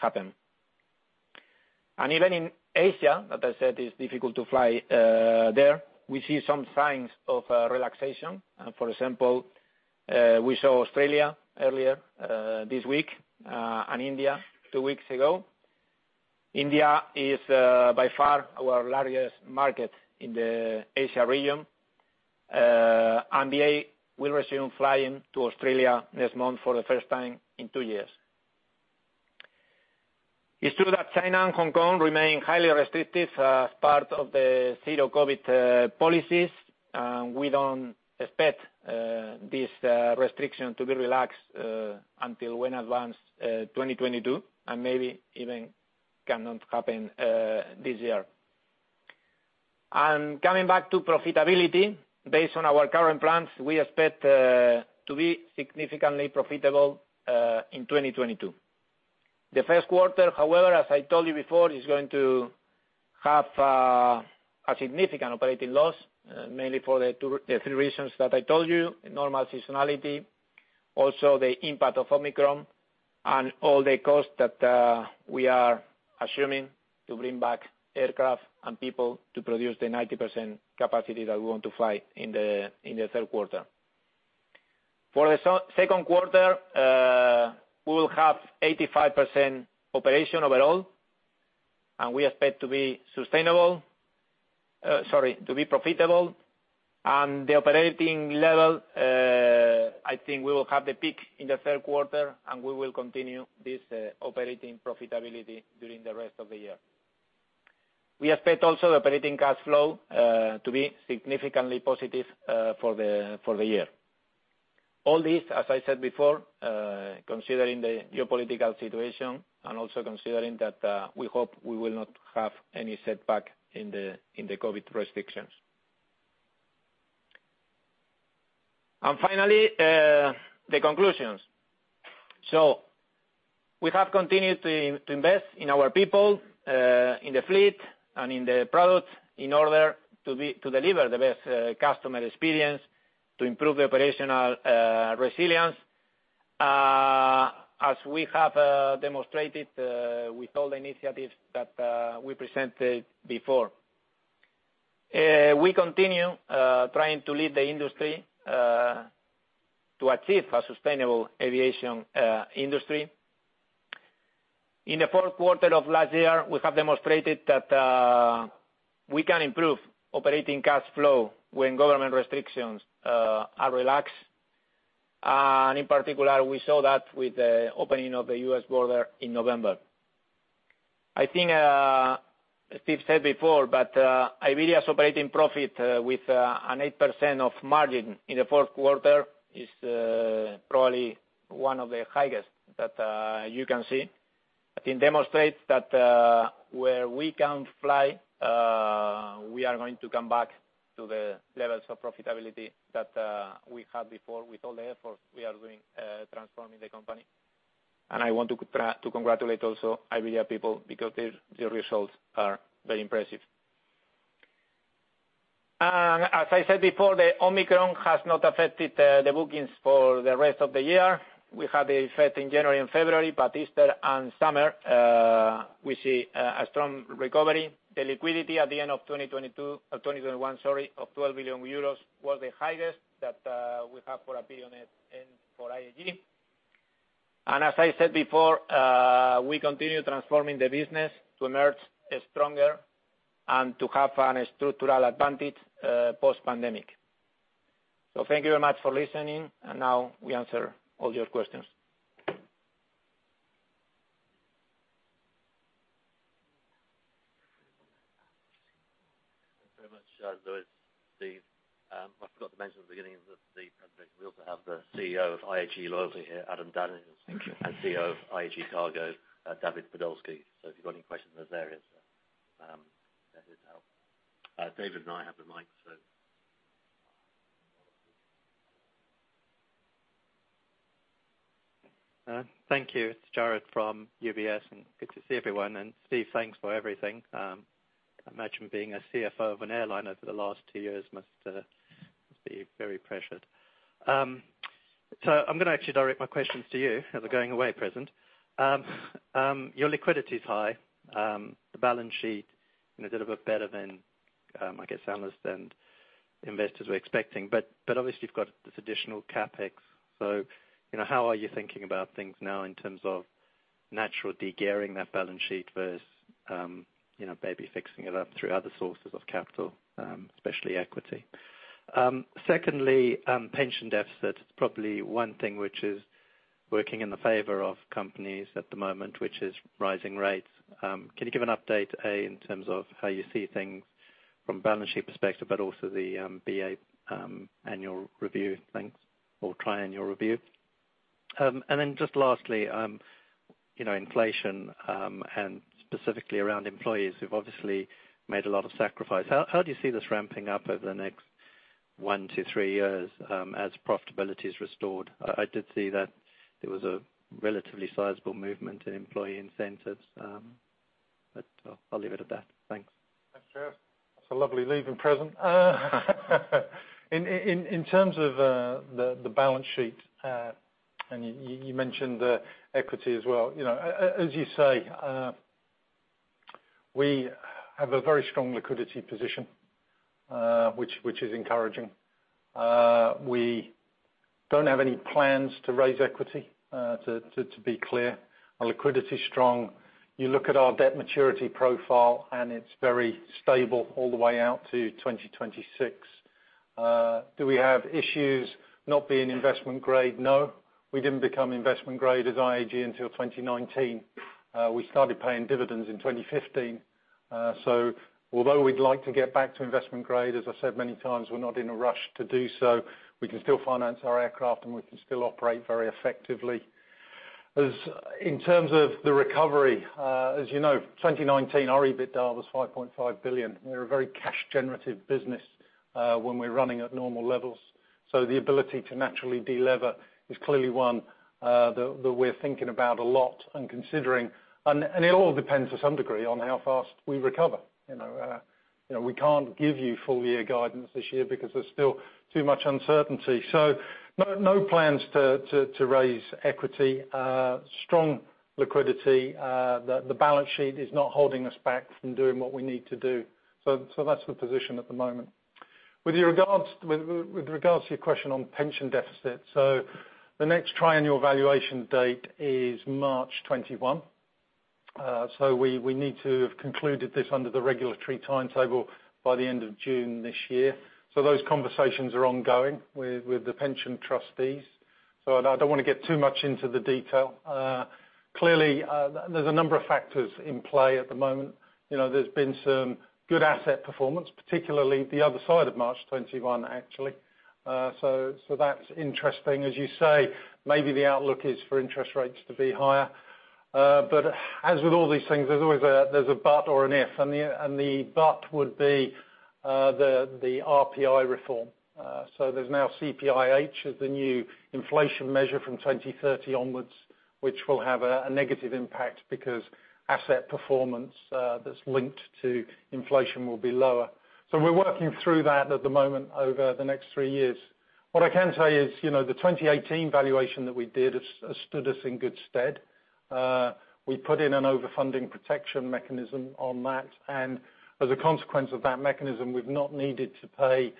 happen. Even in Asia, that I said is difficult to fly there, we see some signs of relaxation. For example, we saw Australia earlier this week, and India two weeks ago. India is by far our largest market in the Asia region. And BA will resume flying to Australia next month for the first time in two years. It's true that China and Hong Kong remain highly restrictive as part of the zero COVID policies. We don't expect this restriction to be relaxed until well advanced 2022, and maybe even cannot happen this year. Coming back to profitability, based on our current plans, we expect to be significantly profitable in 2022. The Q1, however, as I told you before, is going to have a significant operating loss, mainly for the three reasons that I told you, normal seasonality, also the impact of Omicron and all the costs that we are assuming to bring back aircraft and people to produce the 90% capacity that we want to fly in the Q3. For the Q2, we will have 85% operation overall, and we expect to be profitable. At the operating level, I think we will have the peak in the Q3 and we will continue this operating profitability during the rest of the year. We expect also operating cash flow to be significantly positive for the year. All this, as I said before, considering the geopolitical situation and also considering that we hope we will not have any setback in the COVID restrictions. Finally, the conclusions. We have continued to invest in our people, in the fleet and in the product in order to deliver the best customer experience, to improve the operational resilience. As we have demonstrated with all the initiatives that we presented before. We continue trying to lead the industry to achieve a sustainable aviation industry. In the Q4 of last year, we have demonstrated that we can improve operating cash flow when government restrictions are relaxed. In particular, we saw that with the opening of the U.S. border in November. I think Steve said before, but Iberia's operating profit with an 8% margin in the Q4 is probably one of the highest that you can see. I think demonstrates that where we can fly we are going to come back to the levels of profitability that we had before with all the effort we are doing transforming the company. I want to congratulate also Iberia people because the results are very impressive. As I said before, the Omicron has not affected the bookings for the rest of the year. We had the effect in January and February, but Easter and summer, we see a strong recovery. The liquidity at the end of 2021 of 12 billion euros was the highest that we have for Iberia and for IAG. As I said before, we continue transforming the business to emerge stronger and to have a structural advantage post-pandemic. Thank you very much for listening, and now we answer all your questions. Thanks very much, Luis, Steve. I forgot to mention at the beginning of the presentation, we also have the CEO of IAG Loyalty here, Adam Daniels, and CEO of IAG Cargo, David Podolsky. If you've got any questions in those areas, they're here to help. David and I have the mic. Thank you. It's Jarrod from UBS, and good to see everyone. Steve, thanks for everything. I imagine being a CFO of an airline over the last two years must be very pressured. I'm gonna actually direct my questions to you as a going away present. Your liquidity is high. The balance sheet, you know, did a bit better than I guess, analysts and investors were expecting. Obviously, you've got this additional CapEx. You know, how are you thinking about things now in terms of natural de-gearing that balance sheet versus, you know, maybe fixing it up through other sources of capital, especially equity? Secondly, pension deficit. It's probably one thing which is working in the favor of companies at the moment, which is rising rates. Can you give an update, A, in terms of how you see things from balance sheet perspective, but also the BA annual review things, or tri-annual review? Then just lastly, you know, inflation, and specifically around employees who've obviously made a lot of sacrifice. How do you see this ramping up over the next one to three years, as profitability is restored? I did see that there was a relatively sizable movement in employee incentives, but I'll leave it at that. Thanks. Thanks, Jarrod. That's a lovely leaving present. In terms of the balance sheet and you mentioned equity as well. You know, as you say, we have a very strong liquidity position, which is encouraging. We don't have any plans to raise equity, to be clear. Our liquidity is strong. You look at our debt maturity profile, and it's very stable all the way out to 2026. Do we have issues not being investment grade? No. We didn't become investment grade as IAG until 2019. We started paying dividends in 2015. So although we'd like to get back to investment grade, as I said many times, we're not in a rush to do so. We can still finance our aircraft, and we can still operate very effectively. In terms of the recovery, as you know, 2019, our EBITDA was 5.5 billion. We're a very cash generative business, when we're running at normal levels. The ability to naturally de-lever is clearly one that we're thinking about a lot and considering. It all depends to some degree on how fast we recover, you know. You know, we can't give you FY guidance this year because there's still too much uncertainty. No plans to raise equity. Strong liquidity. The balance sheet is not holding us back from doing what we need to do. That's the position at the moment. With regards to your question on pension deficits, the next triennial valuation date is March 2021. We need to have concluded this under the regulatory timetable by the end of June this year. Those conversations are ongoing with the pension trustees. I don't wanna get too much into the detail. Clearly, there's a number of factors in play at the moment. You know, there's been some good asset performance, particularly the other side of March 2021, actually. That's interesting. As you say, maybe the outlook is for interest rates to be higher. As with all these things, there's always a but or an if. The but would be the RPI reform. There's now CPIH is the new inflation measure from 2030 onwards, which will have a negative impact because asset performance that's linked to inflation will be lower. We're working through that at the moment over the next three years. What I can say is, you know, the 2018 valuation that we did has stood us in good stead. We put in an over-funding protection mechanism on that, and as a consequence of that mechanism, we've not needed to pay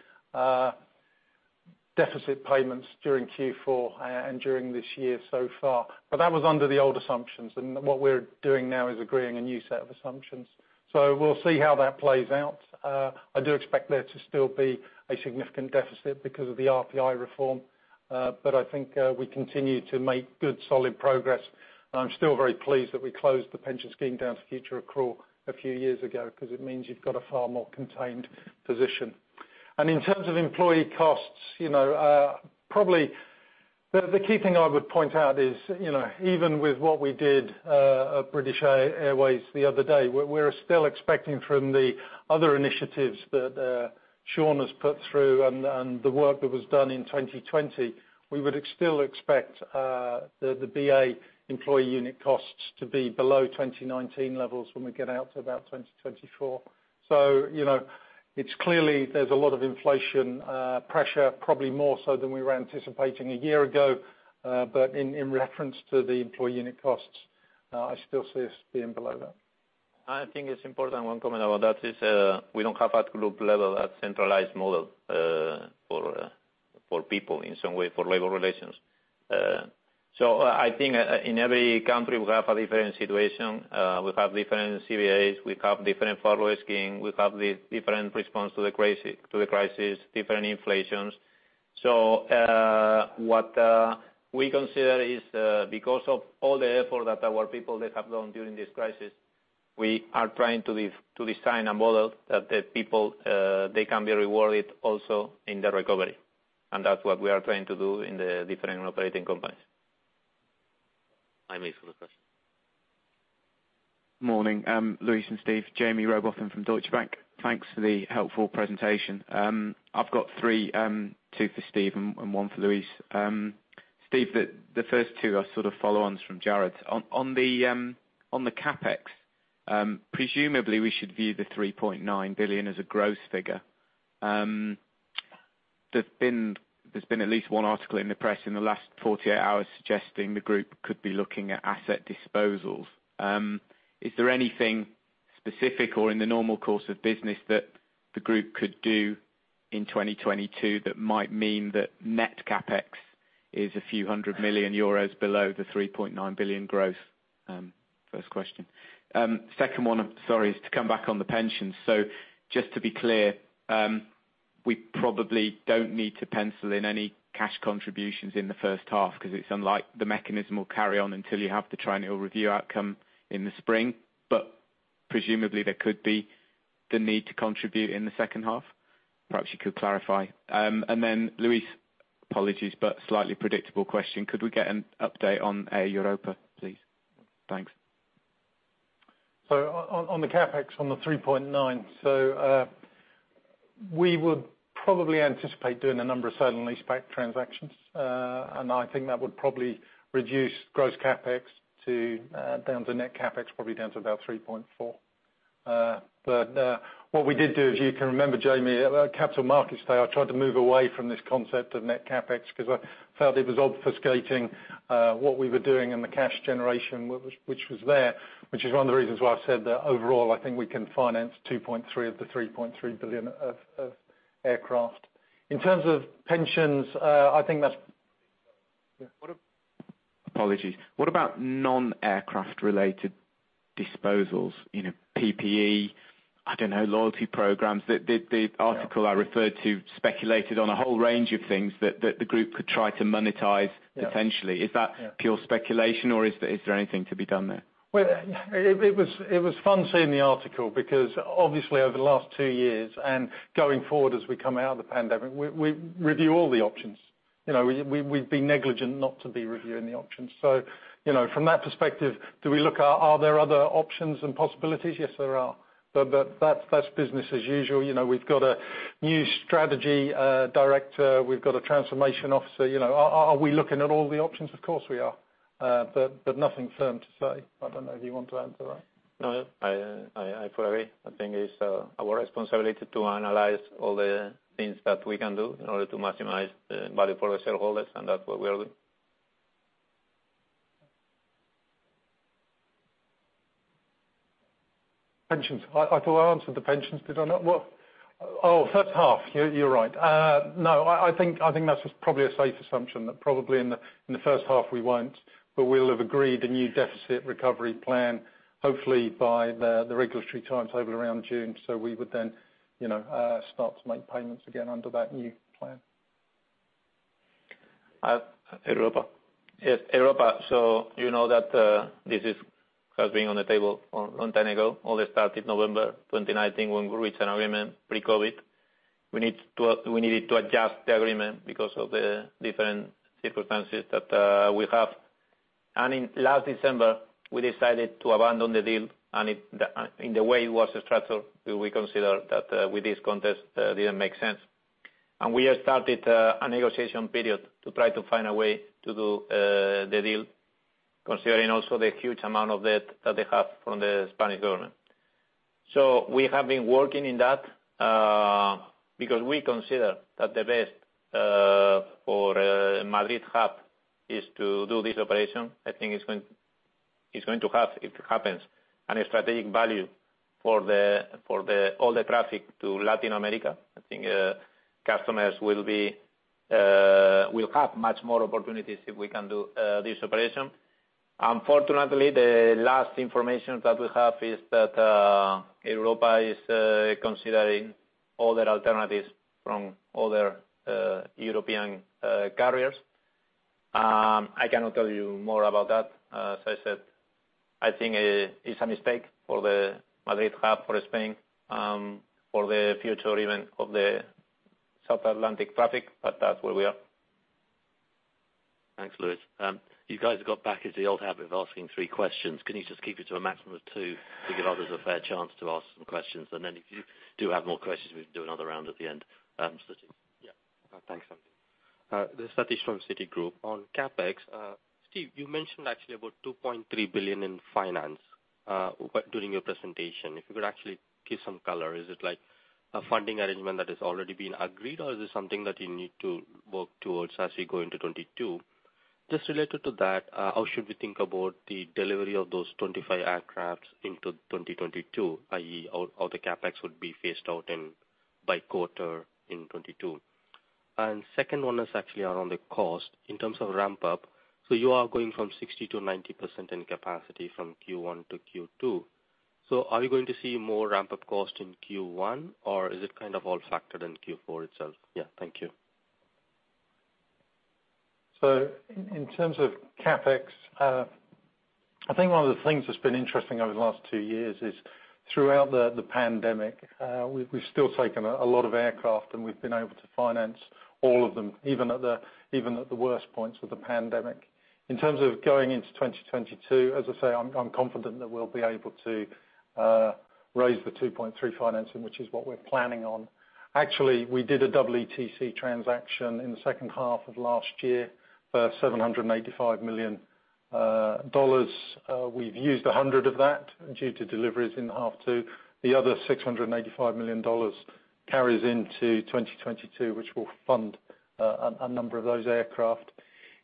deficit payments during Q4 and during this year so far. That was under the old assumptions, and what we're doing now is agreeing a new set of assumptions. We'll see how that plays out. I do expect there to still be a significant deficit because of the RPI reform. I think we continue to make good solid progress, and I'm still very pleased that we closed the pension scheme down to future accrual a few years ago, 'cause it means you've got a far more contained position. In terms of employee costs, you know, probably the key thing I would point out is, you know, even with what we did at British Airways the other day, we're still expecting from the other initiatives that Sean has put through and the work that was done in 2020, we would still expect the BA employee unit costs to be below 2019 levels when we get out to about 2024. You know, clearly there's a lot of inflation pressure, probably more so than we were anticipating a year ago. But in reference to the employee unit costs, I still see us being below that. I think it's important one comment about that is, we don't have at group level a centralized model, for people in some way for labor relations. I think in every country we have a different situation. We have different CBAs, we have different furlough scheme, we have the different response to the crisis, different inflations. What we consider is, because of all the effort that our people they have done during this crisis, we are trying to design a model that the people, they can be rewarded also in the recovery. That's what we are trying to do in the different operating companies. I'm waiting for the question. Morning, Luis and Steve. Jaime Rowbotham from Deutsche Bank. Thanks for the helpful presentation. I've got three, two for Steve and one for Luis. Steve, the first two are sort of follow-ons from Jarrod. On the CapEx, presumably we should view the 3.9 billion as a gross figure. There's been at least one article in the press in the last 48 hours suggesting the group could be looking at asset disposals. Is there anything specific or in the normal course of business that the group could do in 2022 that might mean that net CapEx is a few hundred million EUR below the 3.9 billion gross? First question. Second one, I'm sorry, is to come back on the pensions. Just to be clear, we probably don't need to pencil in any cash contributions in the H1 because it's unlikely the mechanism will carry on until you have the triennial review outcome in the spring. Presumably there could be the need to contribute in the H2. Perhaps you could clarify. Then Luis, apologies, but slightly predictable question. Could we get an update on Air Europa, please? Thanks. On the CapEx, on the 3.9 billion, we would probably anticipate doing a number of sale and lease back transactions. I think that would probably reduce gross CapEx down to net CapEx, probably down to about 3.4 billion. What we did do is, you'll remember, Jaime, at our Capital Markets Day, I tried to move away from this concept of net CapEx because I felt it was obfuscating what we were doing in the cash generation, which is one of the reasons why I said that overall, I think we can finance 2.3 billion of the 3.3 billion of aircraft. In terms of pensions, I think that's. Apologies. What about non-aircraft related disposals? You know, PPE, I don't know, loyalty programs. The article I referred to speculated on a whole range of things that the group could try to monetize potentially. Yeah. Is that pure speculation, or is there anything to be done there? Well, it was fun seeing the article because obviously over the last two years and going forward as we come out of the pandemic, we'd be negligent not to be reviewing the options. You know, from that perspective, do we look at other options and possibilities? Yes, there are. That's business as usual. You know, we've got a new strategy director, we've got a transformation officer, you know. Are we looking at all the options? Of course we are. Nothing firm to say. I don't know if you want to add to that. No, I fully think it's our responsibility to analyze all the things that we can do in order to maximize the value for our shareholders, and that's what we are doing. Pensions. I thought I answered the pensions. Did I not? Oh, H1 you're right. No, I think that's just probably a safe assumption that probably in the H1 we won't, but we'll have agreed a new deficit recovery plan, hopefully by the regulatory timetable around June. We would then, you know, start to make payments again under that new plan. Air Europa. Yes, Air Europa. You know that this has been on the table for a long time. They started November 2019 when we reached an agreement pre-COVID. We needed to adjust the agreement because of the different circumstances that we have. In last December, we decided to abandon the deal, and in the way it was structured, we consider that with this context it didn't make sense. We have started a negotiation period to try to find a way to do the deal, considering also the huge amount of debt that they have from the Spanish government. So we have been working in that because we consider that the best for Madrid hub is to do this operation. I think it's going to have, if it happens, an strategic value for all the traffic to Latin America. I think customers will have much more opportunities if we can do this operation. Unfortunately, the last information that we have is that Air Europa is considering other alternatives from other European carriers. I cannot tell you more about that. As I said, I think it is a mistake for the Madrid hub, for Spain, for the future even of the South Atlantic traffic, but that's where we are. Thanks, Luis. You guys have got back into the old habit of asking three questions. Can you just keep it to a maximum of two to give others a fair chance to ask some questions? And then if you do have more questions, we can do another round at the end. Sathish. Thanks. This is Sathish from Citigroup. On CapEx, Steve, you mentioned actually about 2.3 billion in finance, but during your presentation. If you could actually give some color, is it like a funding arrangement that has already been agreed, or is this something that you need to work towards as we go into 2022? Just related to that, how should we think about the delivery of those 25 aircraft into 2022, i.e., or the CapEx would be phased out in by quarter in 2022? Second one is actually around the cost in terms of ramp up. So you are going from 60%-90% in capacity from Q1 to Q2. So are we going to see more ramp-up cost in Q1, or is it kind of all factored in Q4 itself? Thank you. In terms of CapEx, I think one of the things that's been interesting over the last two years is throughout the pandemic, we've still taken a lot of aircraft, and we've been able to finance all of them, even at the worst points of the pandemic. In terms of going into 2022, as I say, I'm confident that we'll be able to raise the 2.3 financing, which is what we're planning on. Actually, we did a double ETC transaction in the H2 of last year, for $785 million. We've used 100 of that due to deliveries in H2. The other $685 million carries into 2022, which will fund a number of those aircraft.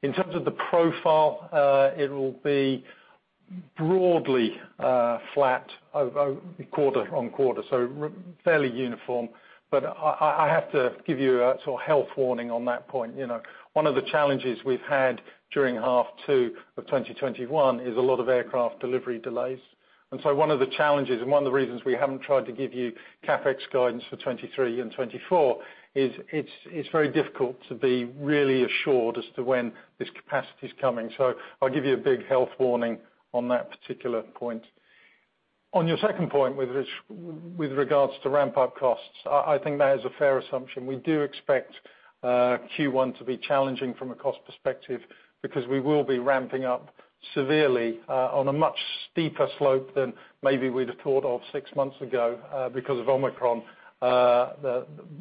In terms of the profile, it'll be broadly flat quarter-over-quarter, so fairly uniform. I have to give you a sort of health warning on that point. You know, one of the challenges we've had during half two of 2021 is a lot of aircraft delivery delays. One of the challenges and one of the reasons we haven't tried to give you CapEx guidance for 2023 and 2024 is it's very difficult to be really assured as to when this capacity is coming. I'll give you a big health warning on that particular point. On your second point with this, with regards to ramp-up costs, I think that is a fair assumption. We do expect Q1 to be challenging from a cost perspective because we will be ramping up severely on a much steeper slope than maybe we'd have thought of six months ago because of Omicron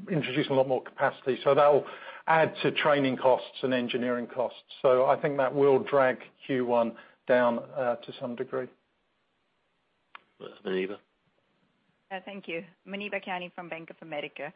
introducing a lot more capacity. That will add to training costs and engineering costs. I think that will drag Q1 down to some degree. Muneeba? Thank you. Muneeba Kayani from Bank of America.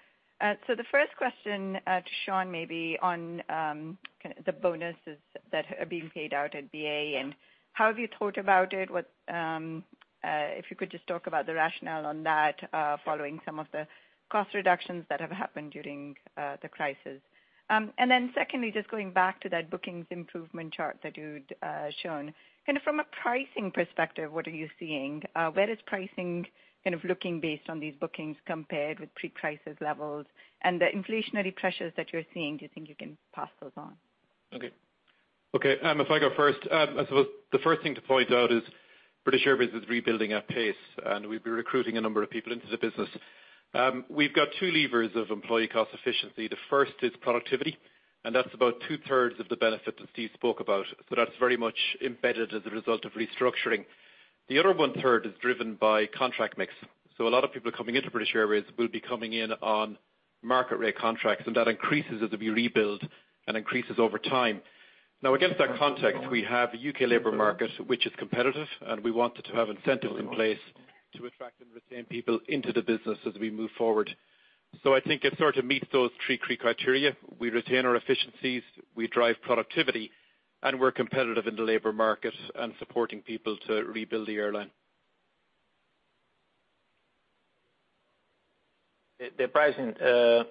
The first question to Sean maybe on kinda the bonuses that are being paid out at BA and how have you thought about it? What if you could just talk about the rationale on that following some of the cost reductions that have happened during the crisis. Then secondly, just going back to that bookings improvement chart that you'd shown. Kind of from a pricing perspective, what are you seeing? Where is pricing kind of looking based on these bookings compared with pre-crisis levels? And the inflationary pressures that you're seeing, do you think you can pass those on? Okay, if I go first, I suppose the first thing to point out is British Airways is rebuilding at pace, and we'll be recruiting a number of people into the business. We've got two levers of employee cost efficiency. The first is productivity, and that's about two-thirds of the benefit that Steve spoke about. That's very much embedded as a result of restructuring. The other one-third is driven by contract mix. A lot of people coming into British Airways will be coming in on market rate contracts, and that increases as we rebuild and increases over time. Now, against that context, we have a U.K. labor market, which is competitive, and we wanted to have incentives in place to attract and retain people into the business as we move forward. I think it sort of meets those three key criteria. We retain our efficiencies, we drive productivity, and we're competitive in the labor market and supporting people to rebuild the airline. To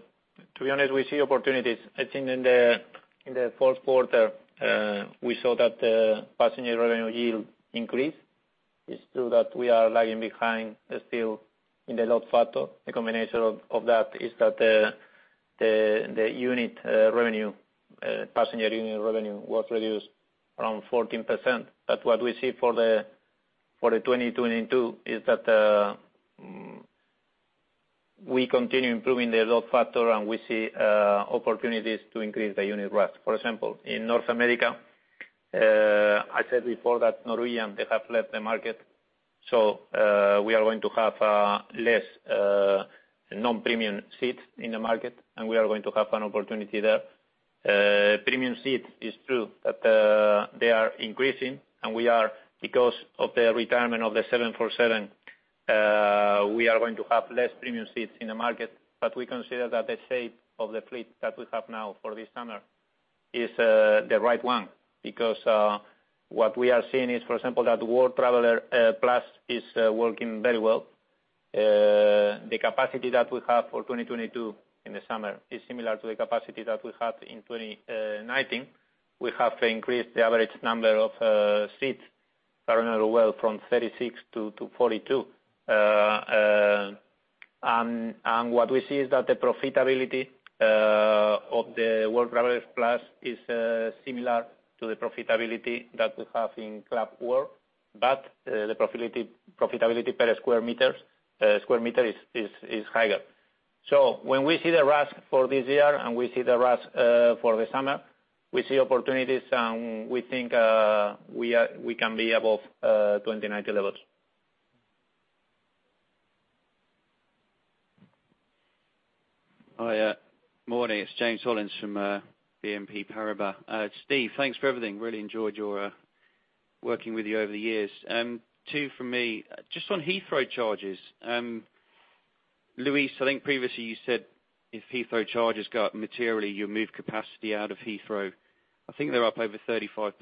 be honest, we see opportunities. I think in the Q4, we saw that the passenger revenue yield increased. It's true that we are lagging behind still in the load factor. The combination of that is that the passenger unit revenue was reduced around 14%. What we see for 2022 is that we continue improving the load factor and we see opportunities to increase the unit rev. For example, in North America, I said before that Norwegian, they have left the market. We are going to have less non-premium seats in the market, and we are going to have an opportunity there. It's true that premium seats are increasing, and we are, because of the retirement of the 747, going to have less premium seats in the market. We consider that the shape of the fleet that we have now for this summer is the right one because what we are seeing is, for example, that World Traveller Plus is working very well. The capacity that we have for 2022 in the summer is similar to the capacity that we had in 2019. We have increased the average number of seats very well from 36 to 42. What we see is that the profitability of the World Traveller Plus is similar to the profitability that we have in Club World, but the profitability per square meter is higher. When we see the RASK for this year, and we see the RASK for the summer, we see opportunities, and we think we can be above 2019 levels. Hi, morning. It's James Hollins from Exane BNP Paribas. Steve, thanks for everything. Really enjoyed working with you over the years. Two from me. Just on Heathrow charges, Luis, I think previously you said if Heathrow charges go up materially, you'll move capacity out of Heathrow. I think they're up over 35%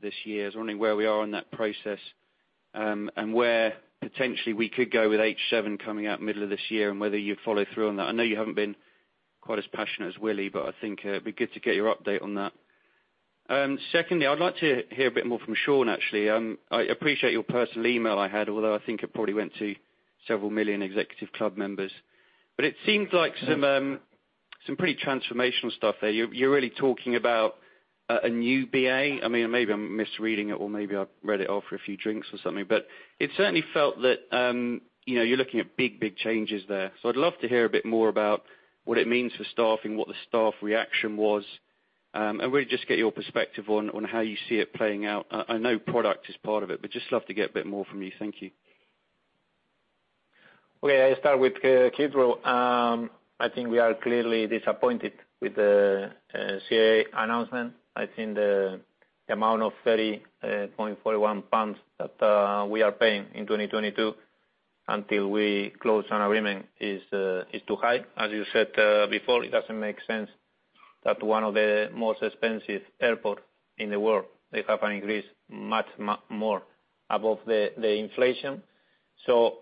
this year. I was wondering where we are in that process, and where potentially we could go with H7 coming out middle of this year, and whether you'd follow through on that. I know you haven't been quite as passionate as Willie, but I think it'd be good to get your update on that. Secondly, I'd like to hear a bit more from Sean, actually. I appreciate your personal email I had, although I think it probably went to several million Executive Club members. It seems like some pretty transformational stuff there. You're really talking about a new BA. I mean, maybe I'm misreading it or maybe I read it after a few drinks or something, but it certainly felt that, you know, you're looking at big changes there. I'd love to hear a bit more about what it means for staffing, what the staff reaction was, and really just get your perspective on how you see it playing out. I know product is part of it, but just love to get a bit more from you. Thank you. Okay, I start with Heathrow. I think we are clearly disappointed with the CAA announcement. I think the amount of 30.41 pounds that we are paying in 2022 until we close an agreement is too high. As you said before, it doesn't make sense that one of the most expensive airport in the world will have an increase much more above the inflation.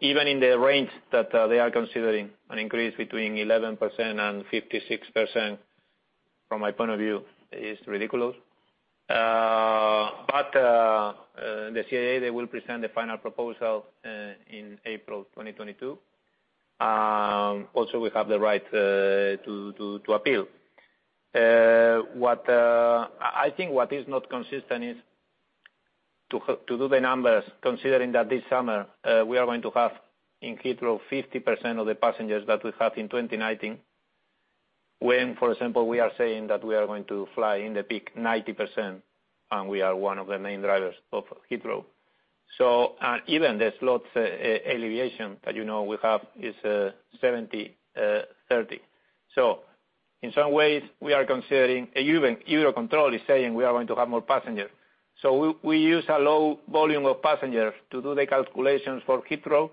Even in the range that they are considering, an increase between 11%-56%, from my point of view, is ridiculous. The CAA, they will present the final proposal in April 2022. Also, we have the right to appeal. I think what is not consistent is to do the numbers considering that this summer we are going to have in Heathrow 50% of the passengers that we had in 2019 when, for example, we are saying that we are going to fly in the peak 90%, and we are one of the main drivers of Heathrow. And even the slots alleviation that you know we have is 70-30. In some ways, we are considering, and even EUROCONTROL is saying we are going to have more passengers. We use a low volume of passengers to do the calculations for Heathrow,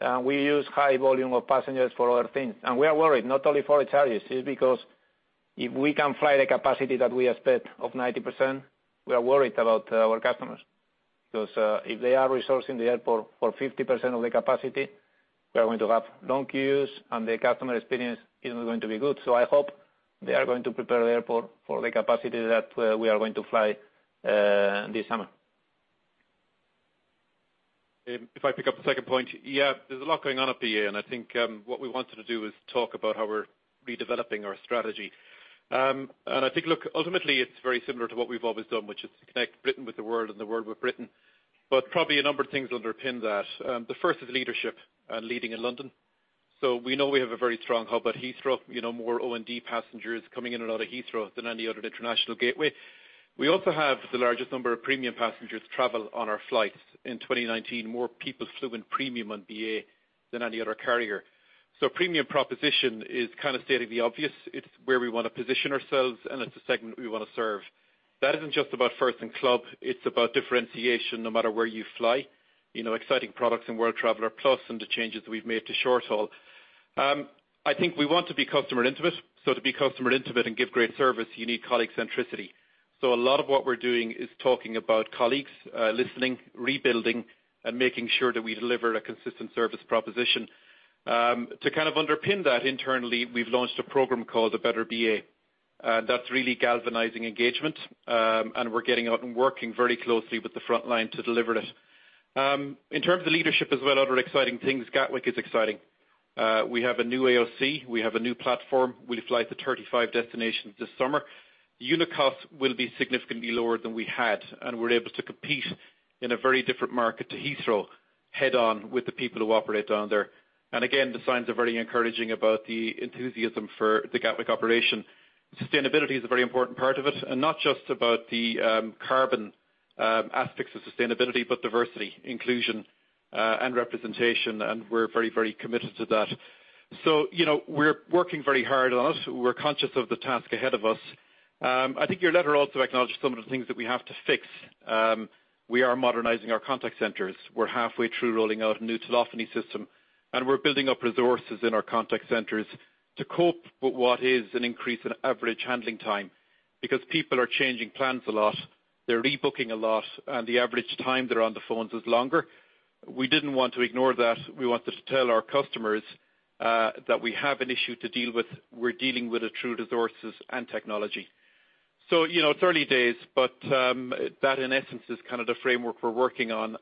and we use high volume of passengers for other things. We are worried not only for the charges. It is because if we can't fly the capacity that we expect of 90%, we are worried about our customers. Because if they are resourcing the airport for 50% of the capacity, we are going to have long queues, and the customer experience isn't going to be good. I hope they are going to prepare the airport for the capacity that we are going to fly this summer. If I pick up the second point, yeah, there's a lot going on at BA, and I think, what we wanted to do is talk about how we're redeveloping our strategy. I think, look, ultimately it's very similar to what we've always done, which is to connect Britain with the world and the world with Britain. Probably a number of things underpin that. The first is leadership and leading in London. We know we have a very strong hub at Heathrow, you know, more O&D passengers coming in and out of Heathrow than any other international gateway. We also have the largest number of premium passengers travel on our flights. In 2019, more people flew in Premium on BA than any other carrier. Premium proposition is kind of stating the obvious. It's where we want to position ourselves, and it's the segment we want to serve. That isn't just about First and Club. It's about differentiation no matter where you fly. You know, exciting products in World Traveller Plus and the changes we've made to short-haul. I think we want to be customer intimate, so to be customer intimate and give great service, you need colleague centricity. So a lot of what we're doing is talking about colleagues, listening, rebuilding, and making sure that we deliver a consistent service proposition. To kind of underpin that internally, we've launched a program called A Better BA, and that's really galvanizing engagement, and we're getting out and working very closely with the front line to deliver it. In terms of leadership as well, other exciting things, Gatwick is exciting. We have a new AOC. We have a new platform. We fly to 35 destinations this summer. The unit cost will be significantly lower than we had, and we're able to compete in a very different market to Heathrow, head on with the people who operate down there. The signs are very encouraging about the enthusiasm for the Gatwick operation. Sustainability is a very important part of it, and not just about the, carbon Aspects of sustainability, but diversity, inclusion, and representation, and we're very, very committed to that. You know, we're working very hard on it. We're conscious of the task ahead of us. I think your letter also acknowledged some of the things that we have to fix. We are modernizing our contact centers. We're halfway through rolling out a new telephony system, and we're building up resources in our contact centers to cope with what is an increase in average handling time. Because people are changing plans a lot, they're rebooking a lot, and the average time they're on the phones is longer. We didn't want to ignore that. We wanted to tell our customers that we have an issue to deal with. We're dealing with it through resources and technology. You know, it's early days, but that, in essence, is kind of the framework we're working on.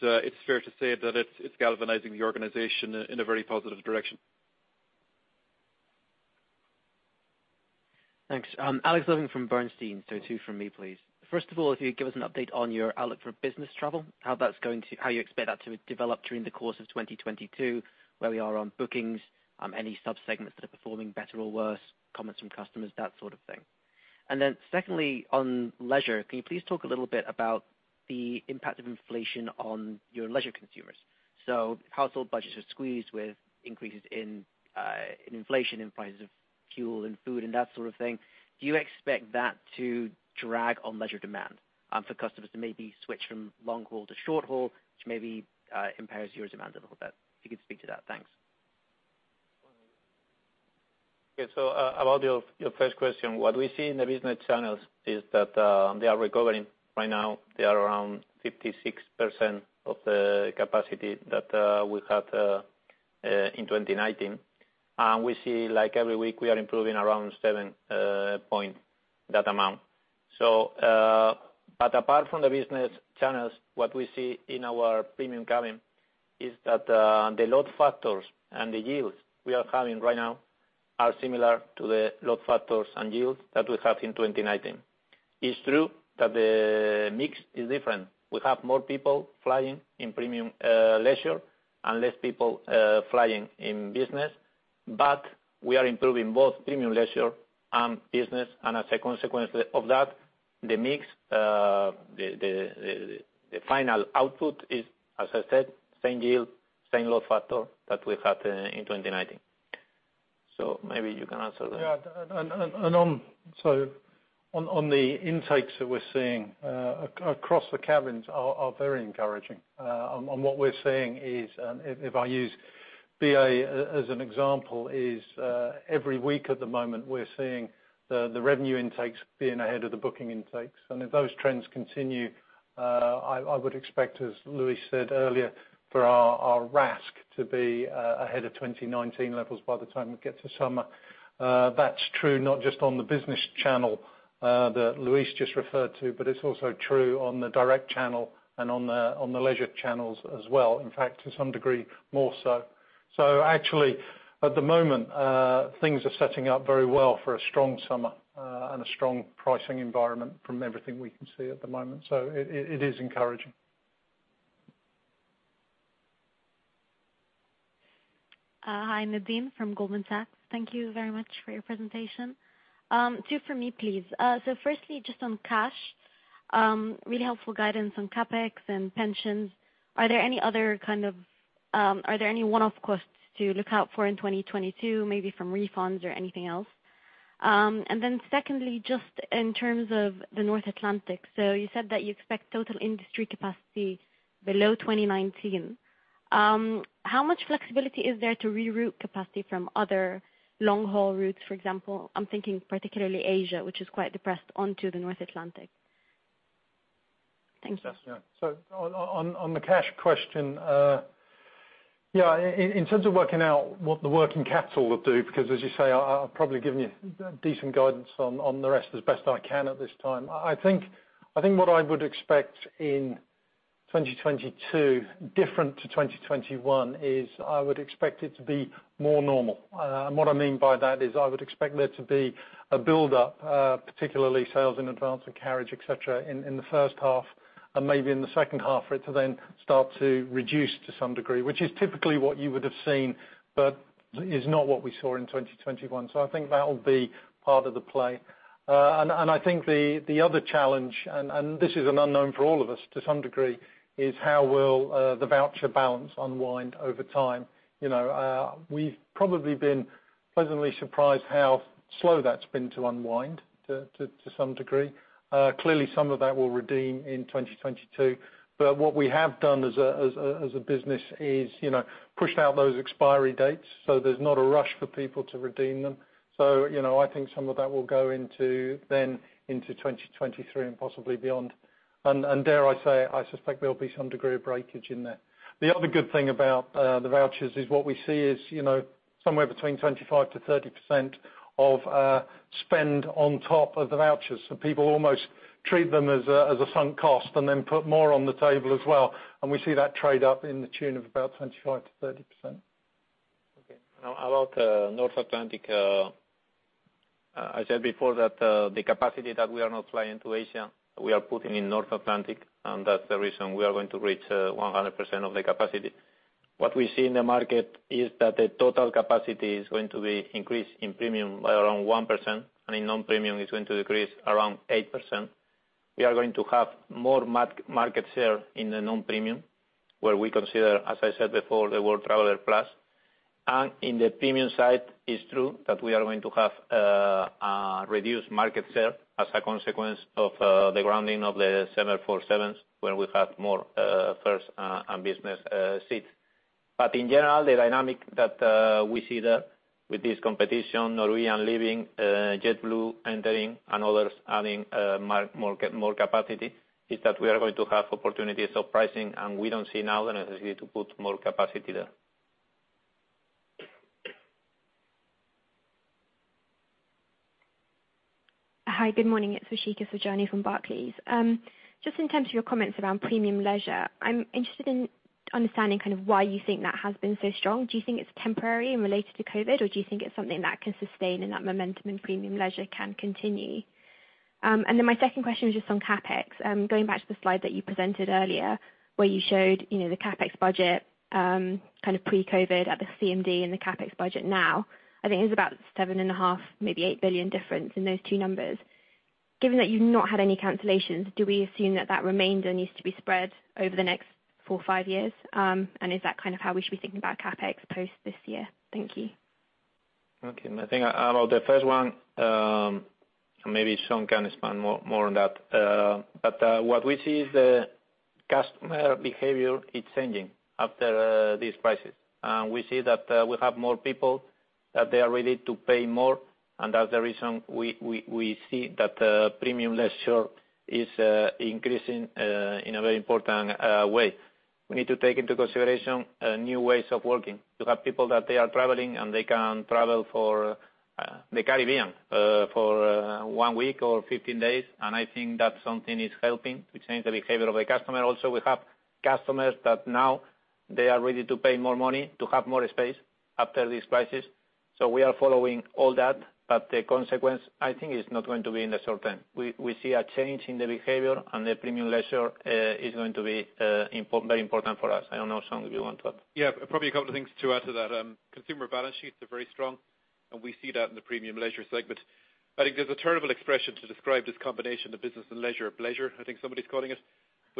It's fair to say that it's galvanizing the organization in a very positive direction. Thanks. Alex Irving from Bernstein. Two from me, please. First of all, if you could give us an update on your outlook for business travel, how you expect that to develop during the course of 2022, where we are on bookings, any sub-segments that are performing better or worse, comments from customers, that sort of thing. Then secondly, on leisure, can you please talk a little bit about the impact of inflation on your leisure consumers? Household budgets are squeezed with increases in inflation, in prices of fuel and food and that sort of thing. Do you expect that to drag on leisure demand, for customers to maybe switch from long-haul to short-haul, which maybe impairs your demand a little bit? If you could speak to that. Thanks. Yeah. About your first question, what we see in the business channels is that they are recovering. Right now, they are around 56% of the capacity that we had in 2019. We see, like, every week we are improving around seven points that amount. Apart from the business channels, what we see in our premium cabin is that the load factors and the yields we are having right now are similar to the load factors and yields that we had in 2019. It's true that the mix is different. We have more people flying in premium leisure and less people flying in business. We are improving both premium leisure and business. As a consequence of that, the mix, the final output is, as I said, same yield, same load factor that we had in 2019. Maybe you can answer that. On the intakes that we're seeing across the cabins are very encouraging. What we're seeing is, if I use BA as an example, every week at the moment we're seeing the revenue intakes being ahead of the booking intakes. If those trends continue, I would expect, as Luis said earlier, for our RASK to be ahead of 2019 levels by the time we get to summer. That's true not just on the business channel that Luis just referred to, but it's also true on the direct channel and on the leisure channels as well. In fact, to some degree, more so. Actually, at the moment, things are setting up very well for a strong summer, and a strong pricing environment from everything we can see at the moment. It is encouraging. Hi, [Nadine] from Goldman Sachs. Thank you very much for your presentation. Two from me, please. Firstly, just on cash, really helpful guidance on CapEx and pensions. Are there any one-off costs to look out for in 2022, maybe from refunds or anything else? Secondly, just in terms of the North Atlantic, you said that you expect total industry capacity below 2019. How much flexibility is there to reroute capacity from other long-haul routes, for example, I'm thinking particularly Asia, which is quite depressed, onto the North Atlantic? Thank you. On the cash question, in terms of working out what the working capital will do, because as you say, I've probably given you decent guidance on the rest as best I can at this time. I think what I would expect in 2022, different to 2021, is I would expect it to be more normal. What I mean by that is I would expect there to be a build-up, particularly sales in advance and carriage, et cetera, in the H1, and maybe in the H2 for it to then start to reduce to some degree, which is typically what you would have seen, but is not what we saw in 2021. I think that'll be part of the play. I think the other challenge, and this is an unknown for all of us to some degree, is how will the voucher balance unwind over time. You know, we've probably been pleasantly surprised how slow that's been to unwind to some degree. Clearly some of that will redeem in 2022, but what we have done as a business is, you know, pushed out those expiry dates, so there's not a rush for people to redeem them. You know, I think some of that will go into 2023 and possibly beyond. Dare I say, I suspect there'll be some degree of breakage in there. The other good thing about the vouchers is what we see is, you know, somewhere between 25%-30% of spend on top of the vouchers. People almost treat them as a sunk cost and then put more on the table as well. We see that trade up in the tune of about 25%-30%. Okay. Now about North Atlantic, I said before that the capacity that we are not flying to Asia, we are putting in North Atlantic, and that's the reason we are going to reach 100% of the capacity. What we see in the market is that the total capacity is going to be increased in premium by around 1%, and in non-premium, it's going to decrease around 8%. We are going to have more market share in the non-premium, where we consider, as I said before, the World Traveller Plus. In the premium side, it's true that we are going to have a reduced market share as a consequence of the grounding of the 747s, where we have more first and business seats. In general, the dynamic that we see the. With this competition, Norwegian leaving, JetBlue entering and others adding more capacity, is that we are going to have opportunities of pricing, and we don't see now the necessity to put more capacity there. Hi, good morning. It's Rishika Savjani from Barclays. Just in terms of your comments around premium leisure, I'm interested in understanding kind of why you think that has been so strong. Do you think it's temporary and related to COVID, or do you think it's something that can sustain and that momentum in premium leisure can continue? And then my second question is just on CapEx. Going back to the slide that you presented earlier, where you showed, you know, the CapEx budget, kind of pre-COVID at the CMD and the CapEx budget now, I think there's about 7.5 billion, maybe 8 billion difference in those two numbers. Given that you've not had any cancellations, do we assume that remainder needs to be spread over the next four, five years? Is that kind of how we should be thinking about CapEx post this year? Thank you. Okay. I think about the first one, maybe Sean can expand more on that. What we see is the customer behavior is changing after these prices. We see that we have more people that they are ready to pay more. That's the reason we see that the premium leisure is increasing in a very important way. We need to take into consideration new ways of working. You have people that they are traveling, and they can travel for the Caribbean for one week or 15 days, and I think that something is helping to change the behavior of a customer. Also, we have customers that now they are ready to pay more money to have more space after this crisis. We are following all that, but the consequence, I think it's not going to be in the short term. We see a change in the behavior and the premium leisure is going to be very important for us. I don't know, Sean, if you want to add. Yeah. Probably a couple of things to add to that. Consumer balance sheets are very strong, and we see that in the premium leisure segment. I think there's a terrible expression to describe this combination of business and leisure, bleisure, I think somebody's calling it.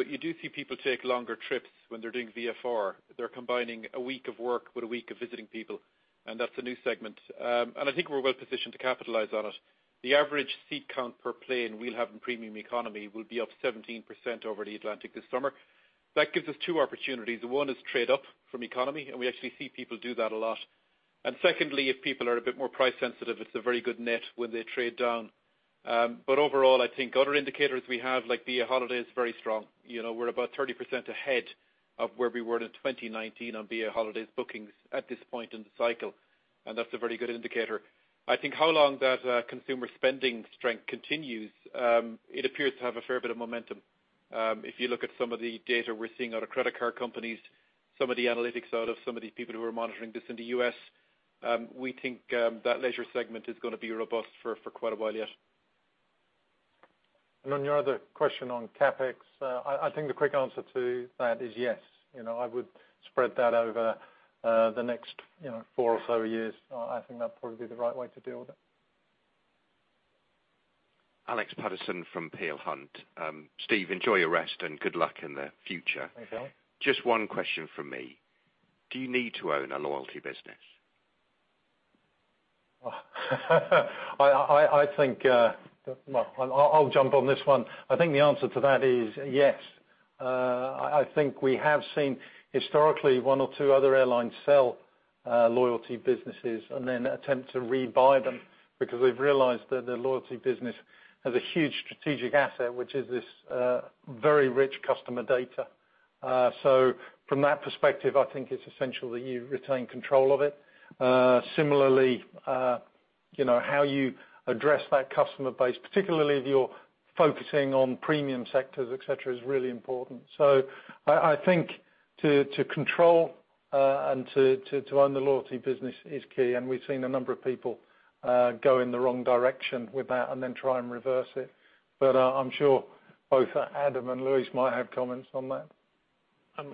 You do see people take longer trips when they're doing VFR. They're combining a week of work with a week of visiting people, and that's a new segment. I think we're well positioned to capitalize on it. The average seat count per plane we'll have in premium economy will be up 17% over the Atlantic this summer. That gives us two opportunities. One is trade up from economy, and we actually see people do that a lot. Secondly, if people are a bit more price sensitive, it's a very good net when they trade down. Overall, I think other indicators we have, like BA Holidays is very strong. You know, we're about 30% ahead of where we were in 2019 on BA Holidays bookings at this point in the cycle, and that's a very good indicator. I think how long that consumer spending strength continues, it appears to have a fair bit of momentum. If you look at some of the data we're seeing out of credit card companies, some of the analytics out of some of these people who are monitoring this in the U.S., we think that leisure segment is gonna be robust for quite a while yet. On your other question on CapEx, I think the quick answer to that is yes. You know, I would spread that over the next, you know, four or so years. I think that'd probably be the right way to deal with it. Alex Paterson from Peel Hunt. Steve, enjoy your rest and good luck in the future. Thank you. Just one question from me. Do you need to own a loyalty business? I think, well, I'll jump on this one. I think the answer to that is yes. I think we have seen historically one or two other airlines sell loyalty businesses and then attempt to rebuy them because they've realized that the loyalty business has a huge strategic asset, which is this very rich customer data. From that perspective, I think it's essential that you retain control of it. Similarly, you know, how you address that customer base, particularly if you're focusing on premium sectors, et cetera, is really important. I think to own the loyalty business is key, and we've seen a number of people go in the wrong direction with that and then try and reverse it. I'm sure both Adam and Luis might have comments on that.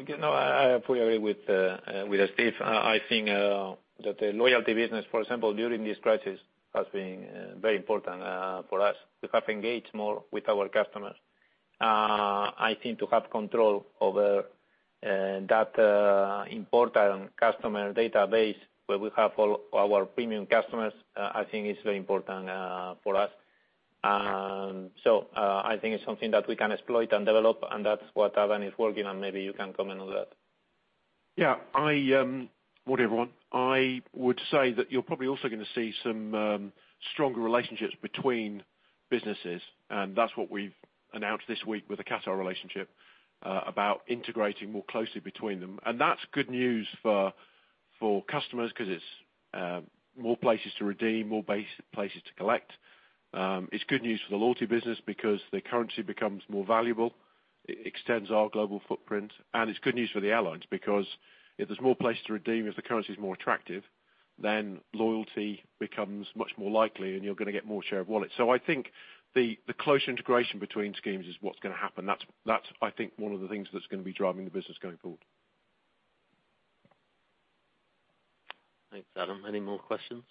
You know, I fully agree with Steve. I think that the loyalty business, for example, during this crisis has been very important for us. We have engaged more with our customers. I think to have control over that important customer database where we have all our premium customers, I think is very important for us. I think it's something that we can exploit and develop, and that's what Adam is working on. Maybe you can comment on that. Morning, everyone. I would say that you're probably also gonna see some stronger relationships between businesses, and that's what we've announced this week with the Qatar relationship about integrating more closely between them, and that's good news for customers because it's more places to redeem, more base-places to collect. It's good news for the loyalty business because the currency becomes more valuable. It extends our global footprint, and it's good news for the airlines because if there's more places to redeem, if the currency is more attractive, then loyalty becomes much more likely and you're gonna get more share of wallet. I think the close integration between schemes is what's gonna happen. That's I think one of the things that's gonna be driving the business going forward. Thanks, Adam. Any more questions?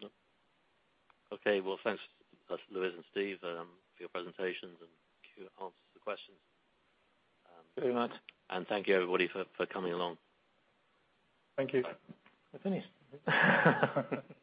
No? Okay. Well, thanks, Luis and Steve, for your presentations and to answer the questions. Very much. Thank you everybody for coming along. Thank you. We're finished.